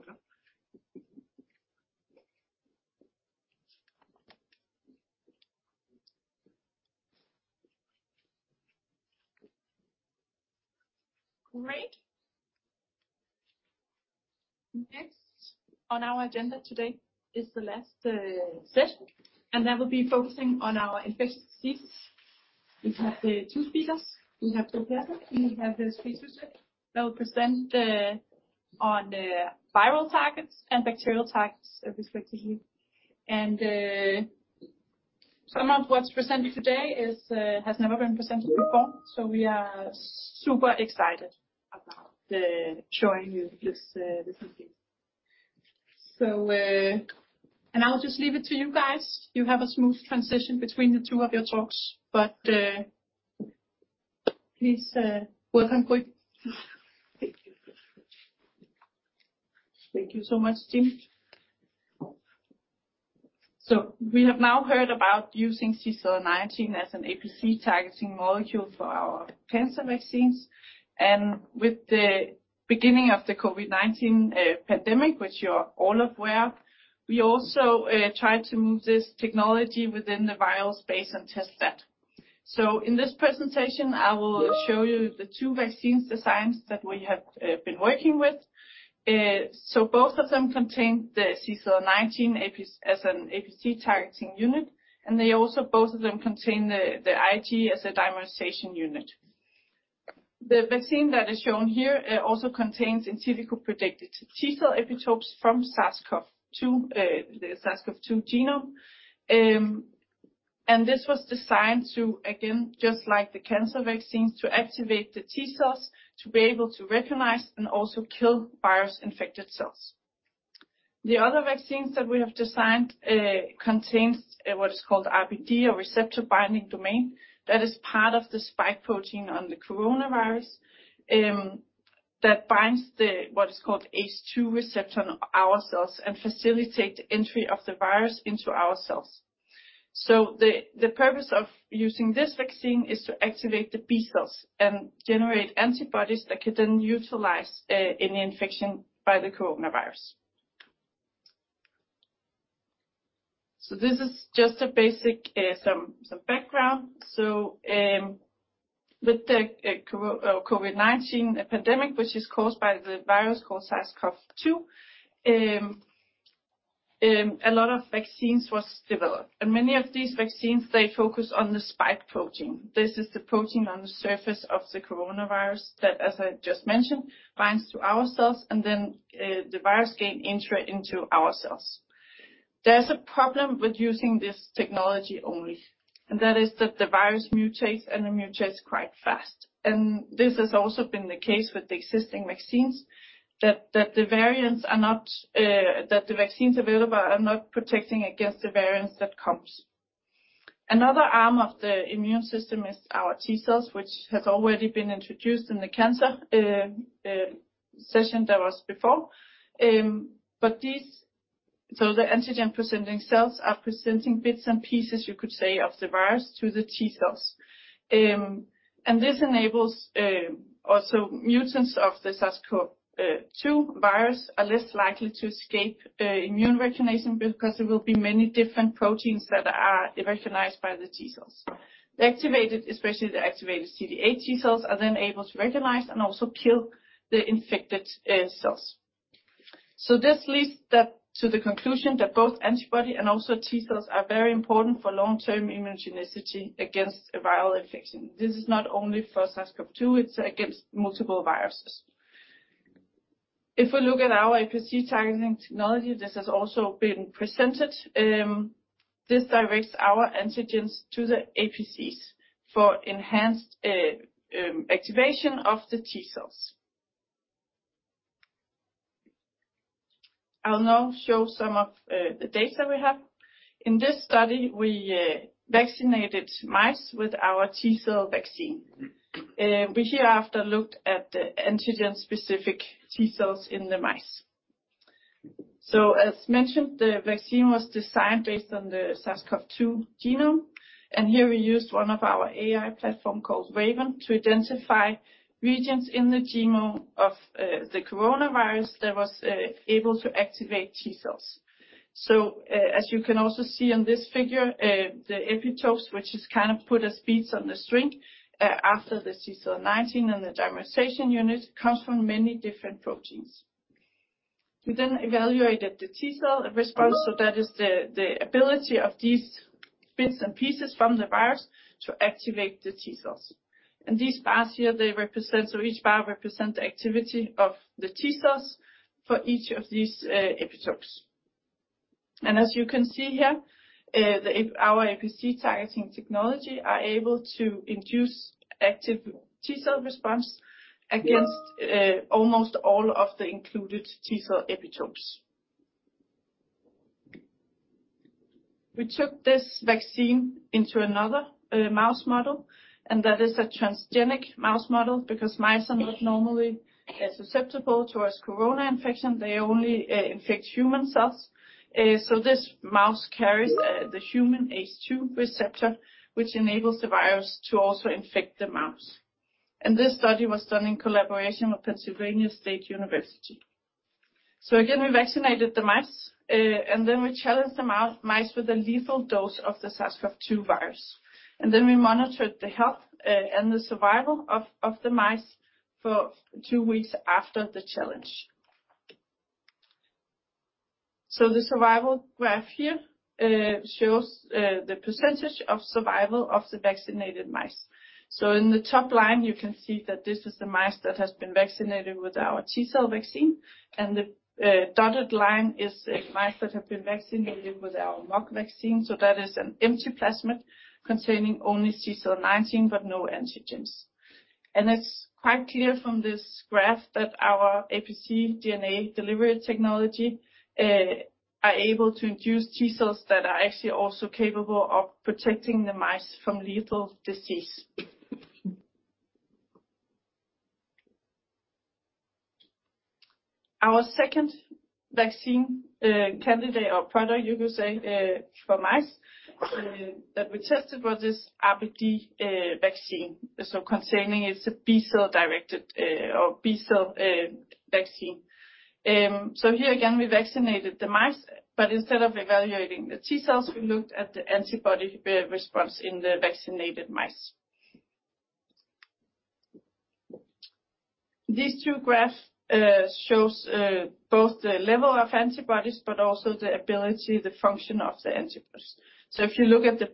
then. Great! Next on our agenda today is the last session, that will be focusing on our infectious diseases. We have two speakers. We have the person, we have the speaker that will present on viral targets and bacterial targets respectively. Some of what's presented today has never been presented before, so we are super excited about showing you this disease. I'll just leave it to you guys. You have a smooth transition between the two of your talks, please welcome Gry. Thank you. Thank you so much, team. We have now heard about using CCL19 as an APC targeting molecule for our cancer vaccines, and with the beginning of the COVID-19 pandemic, which you're all aware of, we also tried to move this technology within the viral space and test that. In this presentation, I will show you the two vaccines designs that we have been working with. Both of them contain the CCL19 AP as an APC targeting unit, and they also both of them contain the IG as a dimerization unit. The vaccine that is shown here also contains in silico predicted T cell epitopes from SARS-CoV-2, the SARS-CoV-2 genome. This was designed to, again, just like the cancer vaccines, to activate the T cells, to be able to recognize and also kill virus-infected cells. The other vaccines that we have designed, contains what is called RBD, or receptor-binding domain. That is part of the spike protein on the coronavirus, that binds the, what is called ACE2 receptor on our cells and facilitate the entry of the virus into our cells. The, the purpose of using this vaccine is to activate the B cells and generate antibodies that could then utilize any infection by the coronavirus. This is just a basic, some background. With the COVID-19 epidemic, which is caused by the virus called SARS-CoV-2, a lot of vaccines was developed, and many of these vaccines, they focus on the spike protein. This is the protein on the surface of the coronavirus that, as I just mentioned, binds to our cells, and then, the virus can enter into our cells. There's a problem with using this technology only, and that is that the virus mutates and it mutates quite fast. This has also been the case with the existing vaccines, that the variants are not, that the vaccines available are not protecting against the variants that comes. Another arm of the immune system is our T cells, which has already been introduced in the cancer session that was before. These, so the antigen-presenting cells are presenting bits and pieces, you could say, of the virus to the T cells. This enables also mutants of the SARS-CoV-2 virus are less likely to escape immune recognition because there will be many different proteins that are recognized by the T cells. The activated, especially the activated CD8 T cells, are then able to recognize and also kill the infected cells. This leads that to the conclusion that both antibody and also T cells are very important for long-term immunogenicity against a viral infection. This is not only for SARS-CoV-2, it's against multiple viruses. If we look at our APC-targeting technology, this has also been presented. This directs our antigens to the APCs for enhanced activation of the T cells. I'll now show some of the data we have. In this study, we vaccinated mice with our T cell vaccine. We hereafter looked at the antigen-specific T cells in the mice. As mentioned, the vaccine was designed based on the SARS-CoV-2 genome, and here we used 1 of our AI platform called RAVEN to identify regions in the genome of the coronavirus that was able to activate T cells. As you can also see on this figure, the epitopes, which is kind of put as beads on the string, after the CCL19 and the dimerization unit, comes from many different proteins. We then evaluated the T cell response, so that is the ability of these bits and pieces from the virus to activate the T cells. These bars here, they represent... each bar represent the activity of the T cells for each of these epitopes. As you can see here, the our APC targeting technology are able to induce active T cell response against almost all of the included T cell epitopes. We took this vaccine into another mouse model, and that is a transgenic mouse model, because mice are not normally susceptible towards corona infection, they only infect human cells. This mouse carries the human ACE2 receptor, which enables the virus to also infect the mouse. This study was done in collaboration with Pennsylvania State University. Again, we vaccinated the mice, then we challenged the mice with a lethal dose of the SARS-CoV-2 virus. We monitored the health and the survival of the mice for two weeks after the challenge. The survival graph here shows the percentage of survival of the vaccinated mice. In the top line, you can see that this is the mice that has been vaccinated with our T cell vaccine, and the dotted line is the mice that have been vaccinated with our mock vaccine. That is an empty plasmid containing only CD19, but no antigens. It's quite clear from this graph that our APC DNA delivery technology are able to induce T cells that are actually also capable of protecting the mice from lethal disease. Our second vaccine candidate or product, you could say, for mice that we tested, was this RBD vaccine. Containing it's a B cell-directed or B cell vaccine. Here again, we vaccinated the mice, but instead of evaluating the T cells, we looked at the antibody response in the vaccinated mice. These two graph shows both the level of antibodies, but also the ability, the function of the antibodies. If you look at the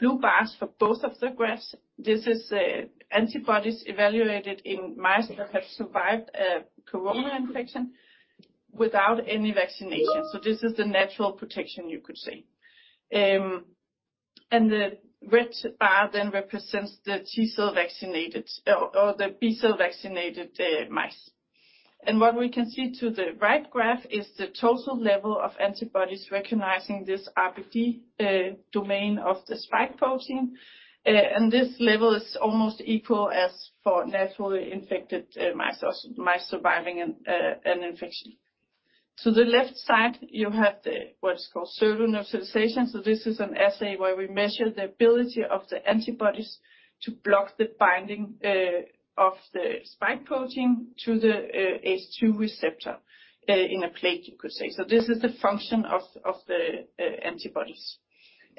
blue bars for both of the graphs, this is the antibodies evaluated in mice that have survived a corona infection without any vaccination. This is the natural protection, you could say. The red bar then represents the T cell vaccinated or the B cell vaccinated mice. What we can see to the right graph is the total level of antibodies recognizing this RBD domain of the spike protein. This level is almost equal as for naturally infected mice, also mice surviving an infection. To the left side, you have the, what is called pseudovirus neutralization. This is an assay where we measure the ability of the antibodies to block the binding of the spike protein to the ACE2 receptor in a plate, you could say. This is the function of the antibodies.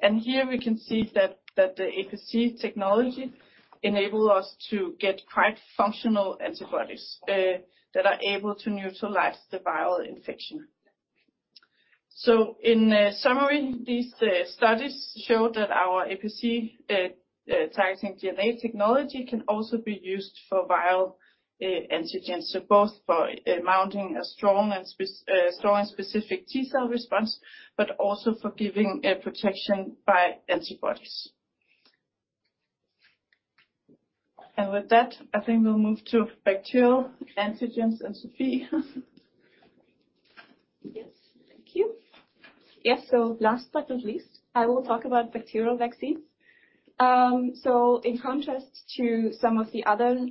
Here we can see that the APC technology enabled us to get quite functional antibodies that are able to neutralize the viral infection. In summary, these studies show that our APC targeting DNA technology can also be used for viral antigens, both for mounting a strong and specific T-cell response, but also for giving a protection by antibodies. With that, I think we'll move to bacterial antigens and Sophie. Yes, thank you. Last but not least, I will talk about bacterial vaccines. In contrast to some of the other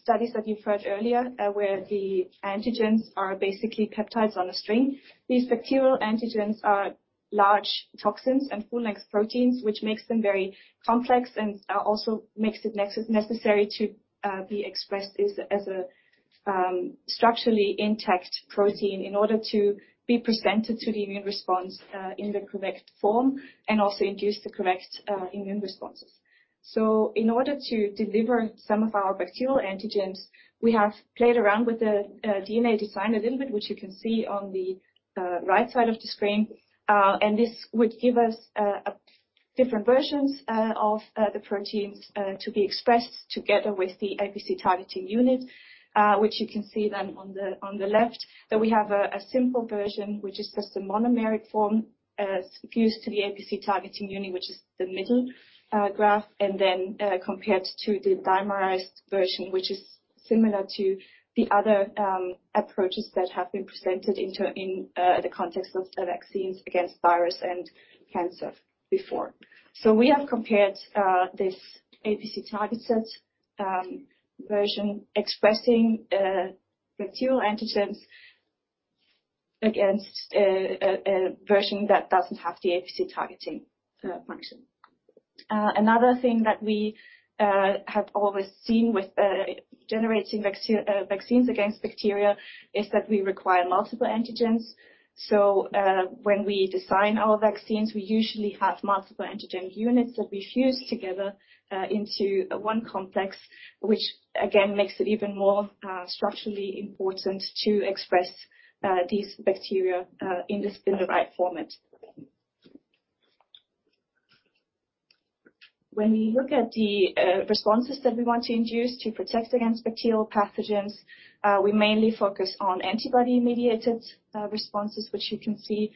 studies that you've heard earlier, where the antigens are basically peptides on a string, these bacterial antigens are large toxins and full-length proteins which makes them very complex and also makes it necessary to be expressed as a structurally intact protein in order to be presented to the immune response in the correct form and also induce the correct immune responses. In order to deliver some of our bacterial antigens, we have played around with the DNA design a little bit, which you can see on the right side of the screen. This would give us a different versions of the proteins to be expressed together with the APC targeting unit, which you can see then on the left, that we have a simple version, which is just a monomeric form, fused to the APC targeting unit, which is the middle graph, and then compared to the dimerized version, which is similar to the other approaches that have been presented in the context of the vaccines against virus and cancer before. We have compared this APC-targeted version expressing bacterial antigens against a version that doesn't have the APC targeting function. Another thing that we have always seen with generating vaccines against bacteria is that we require multiple antigens. When we design our vaccines, we usually have multiple antigen units that we fuse together into one complex, which again makes it even more structurally important to express these bacteria in this, in the right format. When we look at the responses that we want to induce to protect against bacterial pathogens, we mainly focus on antibody-mediated responses, which you can see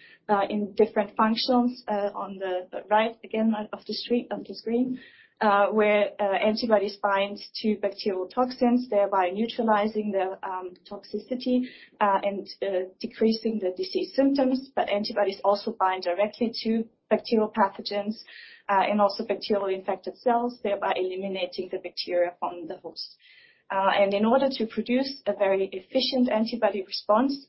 in different functions on the right, again, of the screen, where antibodies bind to bacterial toxins, thereby neutralizing the toxicity and decreasing the disease symptoms. Antibodies also bind directly to bacterial pathogens and also bacterial infected cells, thereby eliminating the bacteria from the host. In order to produce a very efficient antibody response,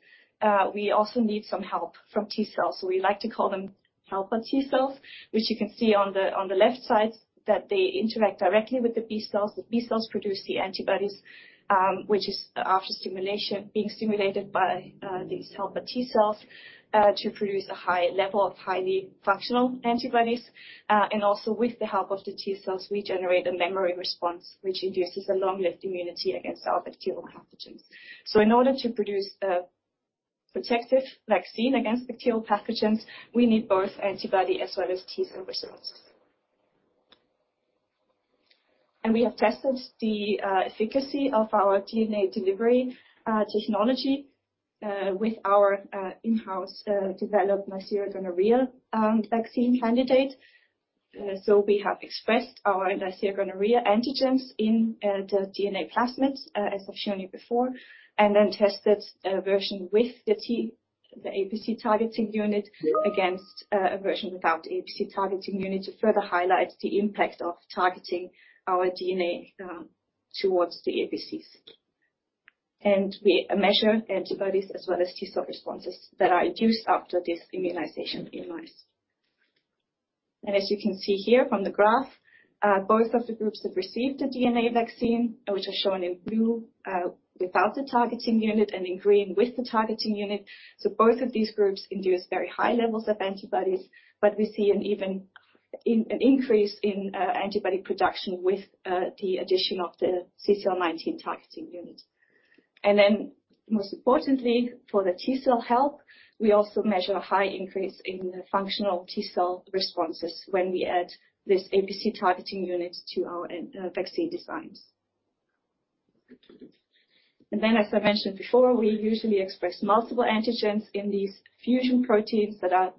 we also need some help from T cells. We like to call them helper T cells, which you can see on the left side, that they interact directly with the B cells. The B cells produce the antibodies, which is after stimulation, being stimulated by these helper T cells, to produce a high level of highly functional antibodies. Also with the help of the T cells, we generate a memory response, which induces a long-lived immunity against our bacterial pathogens. In order to produce a protective vaccine against bacterial pathogens, we need both antibody as well as T cell responses. We have tested the efficacy of our DNA delivery technology with our in-house developed Neisseria gonorrhoeae vaccine candidate. We have expressed our Neisseria gonorrhoeae antigens in the DNA plasmids, as I've shown you before, tested a version with the APC targeting unit against a version without the APC targeting unit, to further highlight the impact of targeting our DNA towards the APCs. We measure antibodies as well as T cell responses that are induced after this immunization in mice. As you can see here from the graph, both of the groups that received the DNA vaccine, which are shown in blue, without the targeting unit, and in green with the targeting unit. Both of these groups induce very high levels of antibodies, we see an even an increase in antibody production with the addition of the CCL19 targeting unit. Most importantly, for the T cell help, we also measure a high increase in the functional T cell responses when we add this APC targeting unit to our vaccine designs. As I mentioned before, we usually express multiple antigens in these fusion proteins that are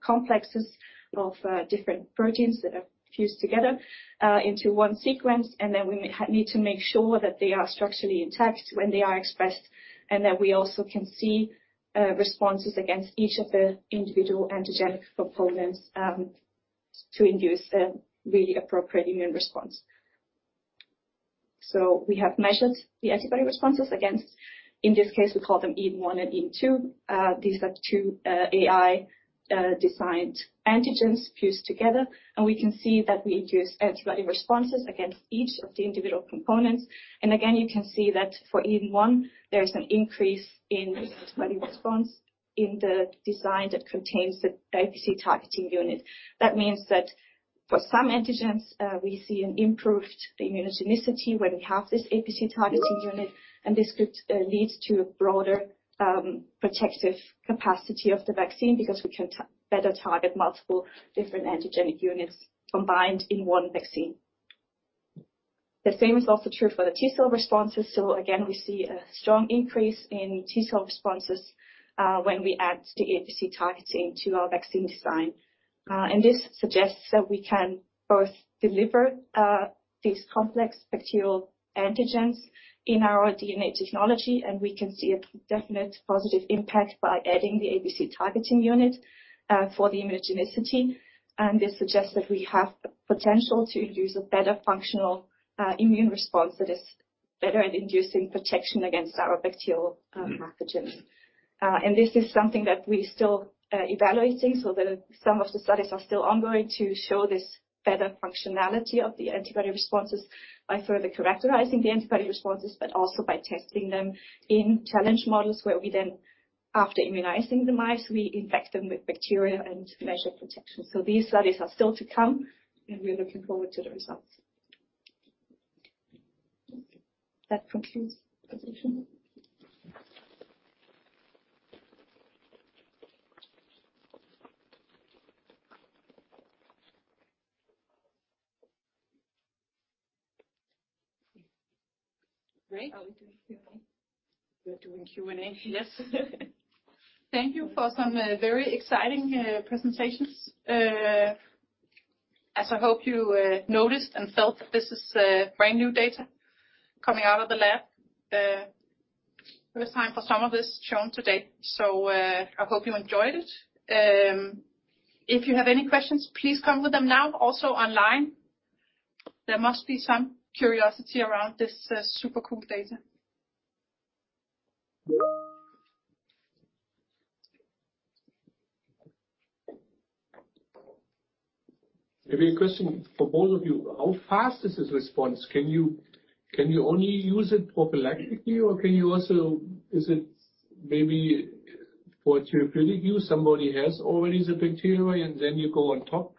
complexes of different proteins that are fused together into 1 sequence, and then we need to make sure that they are structurally intact when they are expressed, and that we also can see responses against each of the individual antigenic components to induce a really appropriate immune response. We have measured the antibody responses against. In this case, we call them EDEN 1 and EDEN 2. These are 2 AI designed antigens fused together, and we can see that we induce antibody responses against each of the individual components. Again, you can see that for EDEN one, there is an increase in the antibody response in the design that contains the APC targeting unit. For some antigens, we see an improved immunogenicity when we have this APC targeting unit, and this could, leads to a broader, protective capacity of the vaccine, because we can better target multiple different antigenic units combined in one vaccine. The same is also true for the T cell responses. Again, we see a strong increase in T cell responses, when we add the APC targeting to our vaccine design. This suggests that we can both deliver, these complex bacterial antigens in our DNA technology, and we can see a definite positive impact by adding the APC targeting unit, for the immunogenicity. This suggests that we have the potential to use a better functional immune response that is better at inducing protection against our bacterial pathogens. This is something that we're still evaluating, so the some of the studies are still ongoing to show this better functionality of the antibody responses by further characterizing the antibody responses, but also by testing them in challenge models, where we then, after immunizing the mice, we infect them with bacteria and measure protection. These studies are still to come, and we're looking forward to the results. That concludes the presentation. Great. Are we doing Q&A? We're doing Q&A, yes. Thank you for some, very exciting, presentations. As I hope you, noticed and felt, this is, brand-new data coming out of the lab. First time for some of this shown today, so, I hope you enjoyed it. If you have any questions, please come with them now, also online. There must be some curiosity around this, super cool data. Maybe a question for both of you. How fast is this response? Can you only use it prophylactically, or can you also? Is it maybe for therapeutic use? Somebody has already the bacteria, and then you go on top,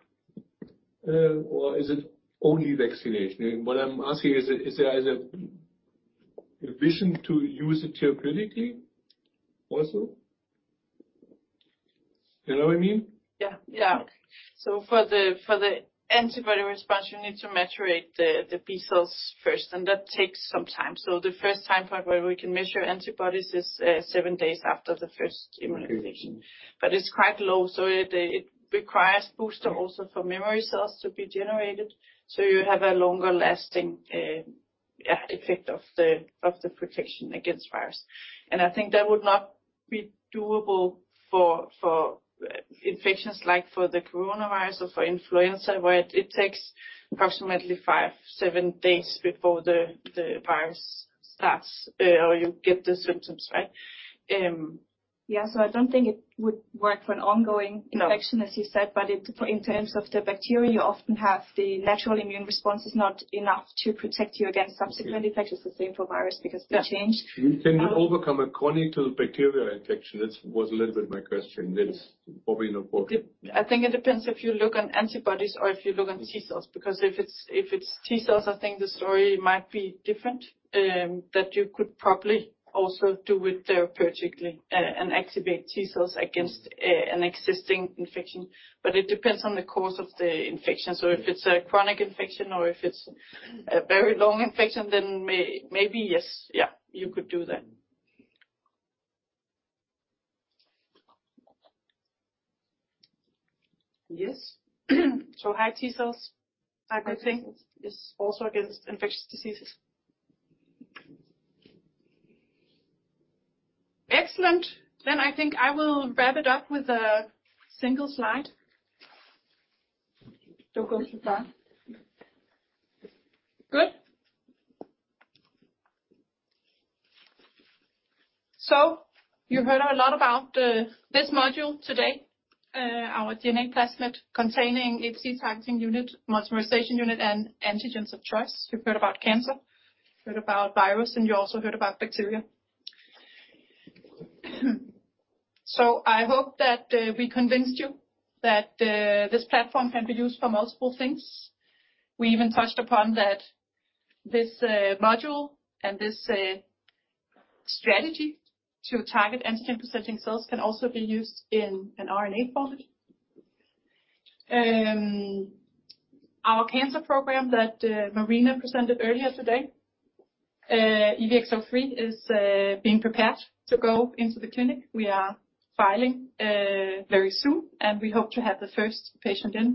or is it only vaccination? What I'm asking is there is a vision to use it therapeutically, also? You know what I mean? Yeah. Yeah. For the antibody response, you need to maturate the B cells first, and that takes some time. The first time point where we can measure antibodies is 7 days after the first immunization. Mm-hmm. It's quite low, so it requires booster also for memory cells to be generated. You have a longer lasting, yeah, effect of the protection against virus. I think that would not be doable for infections like for the coronavirus or for influenza, where it takes approximately 5, 7 days before the virus starts or you get the symptoms, right? Yeah. I don't think it would work for an ongoing- No... infection, as you said. In terms of the bacteria, you often have the natural immune response is not enough to protect you against subsequent infections, the same for virus, because they change. Can you overcome a chronic bacterial infection? That was a little bit my question. That's probably not possible. I think it depends if you look on antibodies or if you look on T cells, because if it's, if it's T cells, I think the story might be different, that you could probably also do it therapeutically and activate T cells against an existing infection. It depends on the cause of the infection. If it's a chronic infection or if it's a very long infection, then maybe yes. Yeah, you could do that. Yes. High T cells, I could think, is also against infectious diseases. Excellent. I think I will wrap it up with a single slide. Good. You heard a lot about this module today, our DNA plasmid containing APC targeting unit, modularization unit, and antigens of choice. You've heard about cancer, you heard about virus, and you also heard about bacteria. I hope that we convinced you that this platform can be used for multiple things. We even touched upon that this module and this strategy to target antigen-presenting cells can also be used in an RNA format. Our cancer program that Marina presented earlier today, EVX-03, is being prepared to go into the clinic. We are filing very soon, and we hope to have the first patient in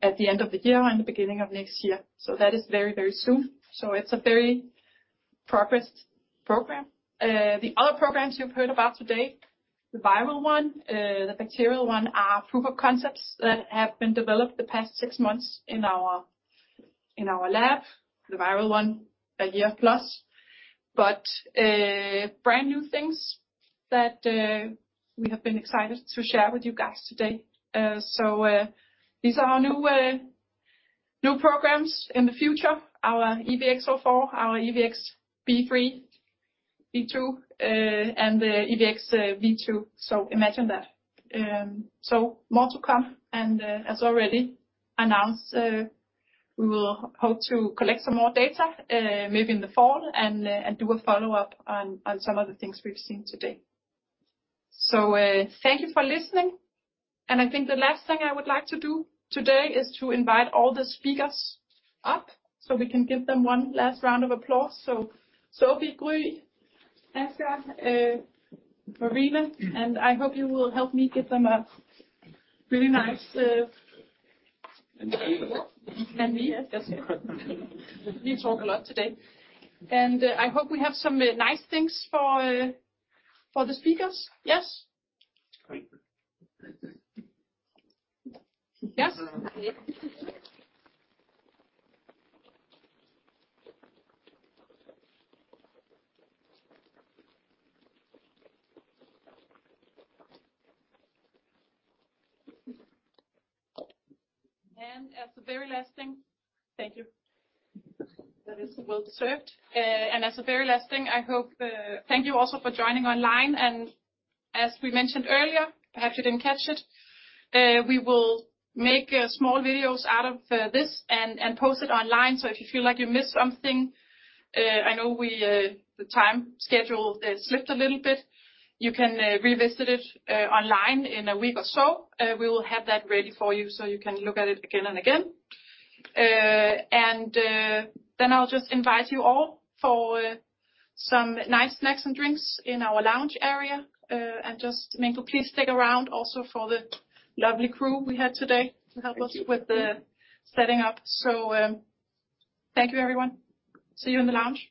at the end of the year or in the beginning of next year. That is very, very soon. It's a very progressed program. The other programs you've heard about today, the viral one, the bacterial one, are proof of concepts that have been developed the past 6 months in our, in our lab, the viral one, 1 year plus. Brand-new things that we have been excited to share with you guys today. These are our new programs in the future, our EVX-04, our EVX-B3, EVX-B2, and the EVX-V2. Imagine that. More to come, and as already announced, we will hope to collect some more data, maybe in the fall, and do a follow-up on some of the things we've seen today. Thank you for listening, and I think the last thing I would like to do today is to invite all the speakers up, so we can give them one last round of applause. Sophie, Gry, Ansgar, Marina, and I hope you will help me give them a really nice. Me. Me, yes. We talk a lot today. I hope we have some nice things for the speakers. Yes? Great. Yes. As the very last thing... Thank you. That is well deserved. As a very last thing, I hope, thank you also for joining online, and as we mentioned earlier, perhaps you didn't catch it, we will make small videos out of, this and post it online. If you feel like you missed something, I know we... the time schedule, slipped a little bit, you can revisit it online in a week or so. We will have that ready for you, so you can look at it again and again. Then I'll just invite you all for some nice snacks and drinks in our lounge area, and just mingle. Please stick around also for the lovely crew we had today to help us with the setting up. Thank you, everyone. See you in the lounge.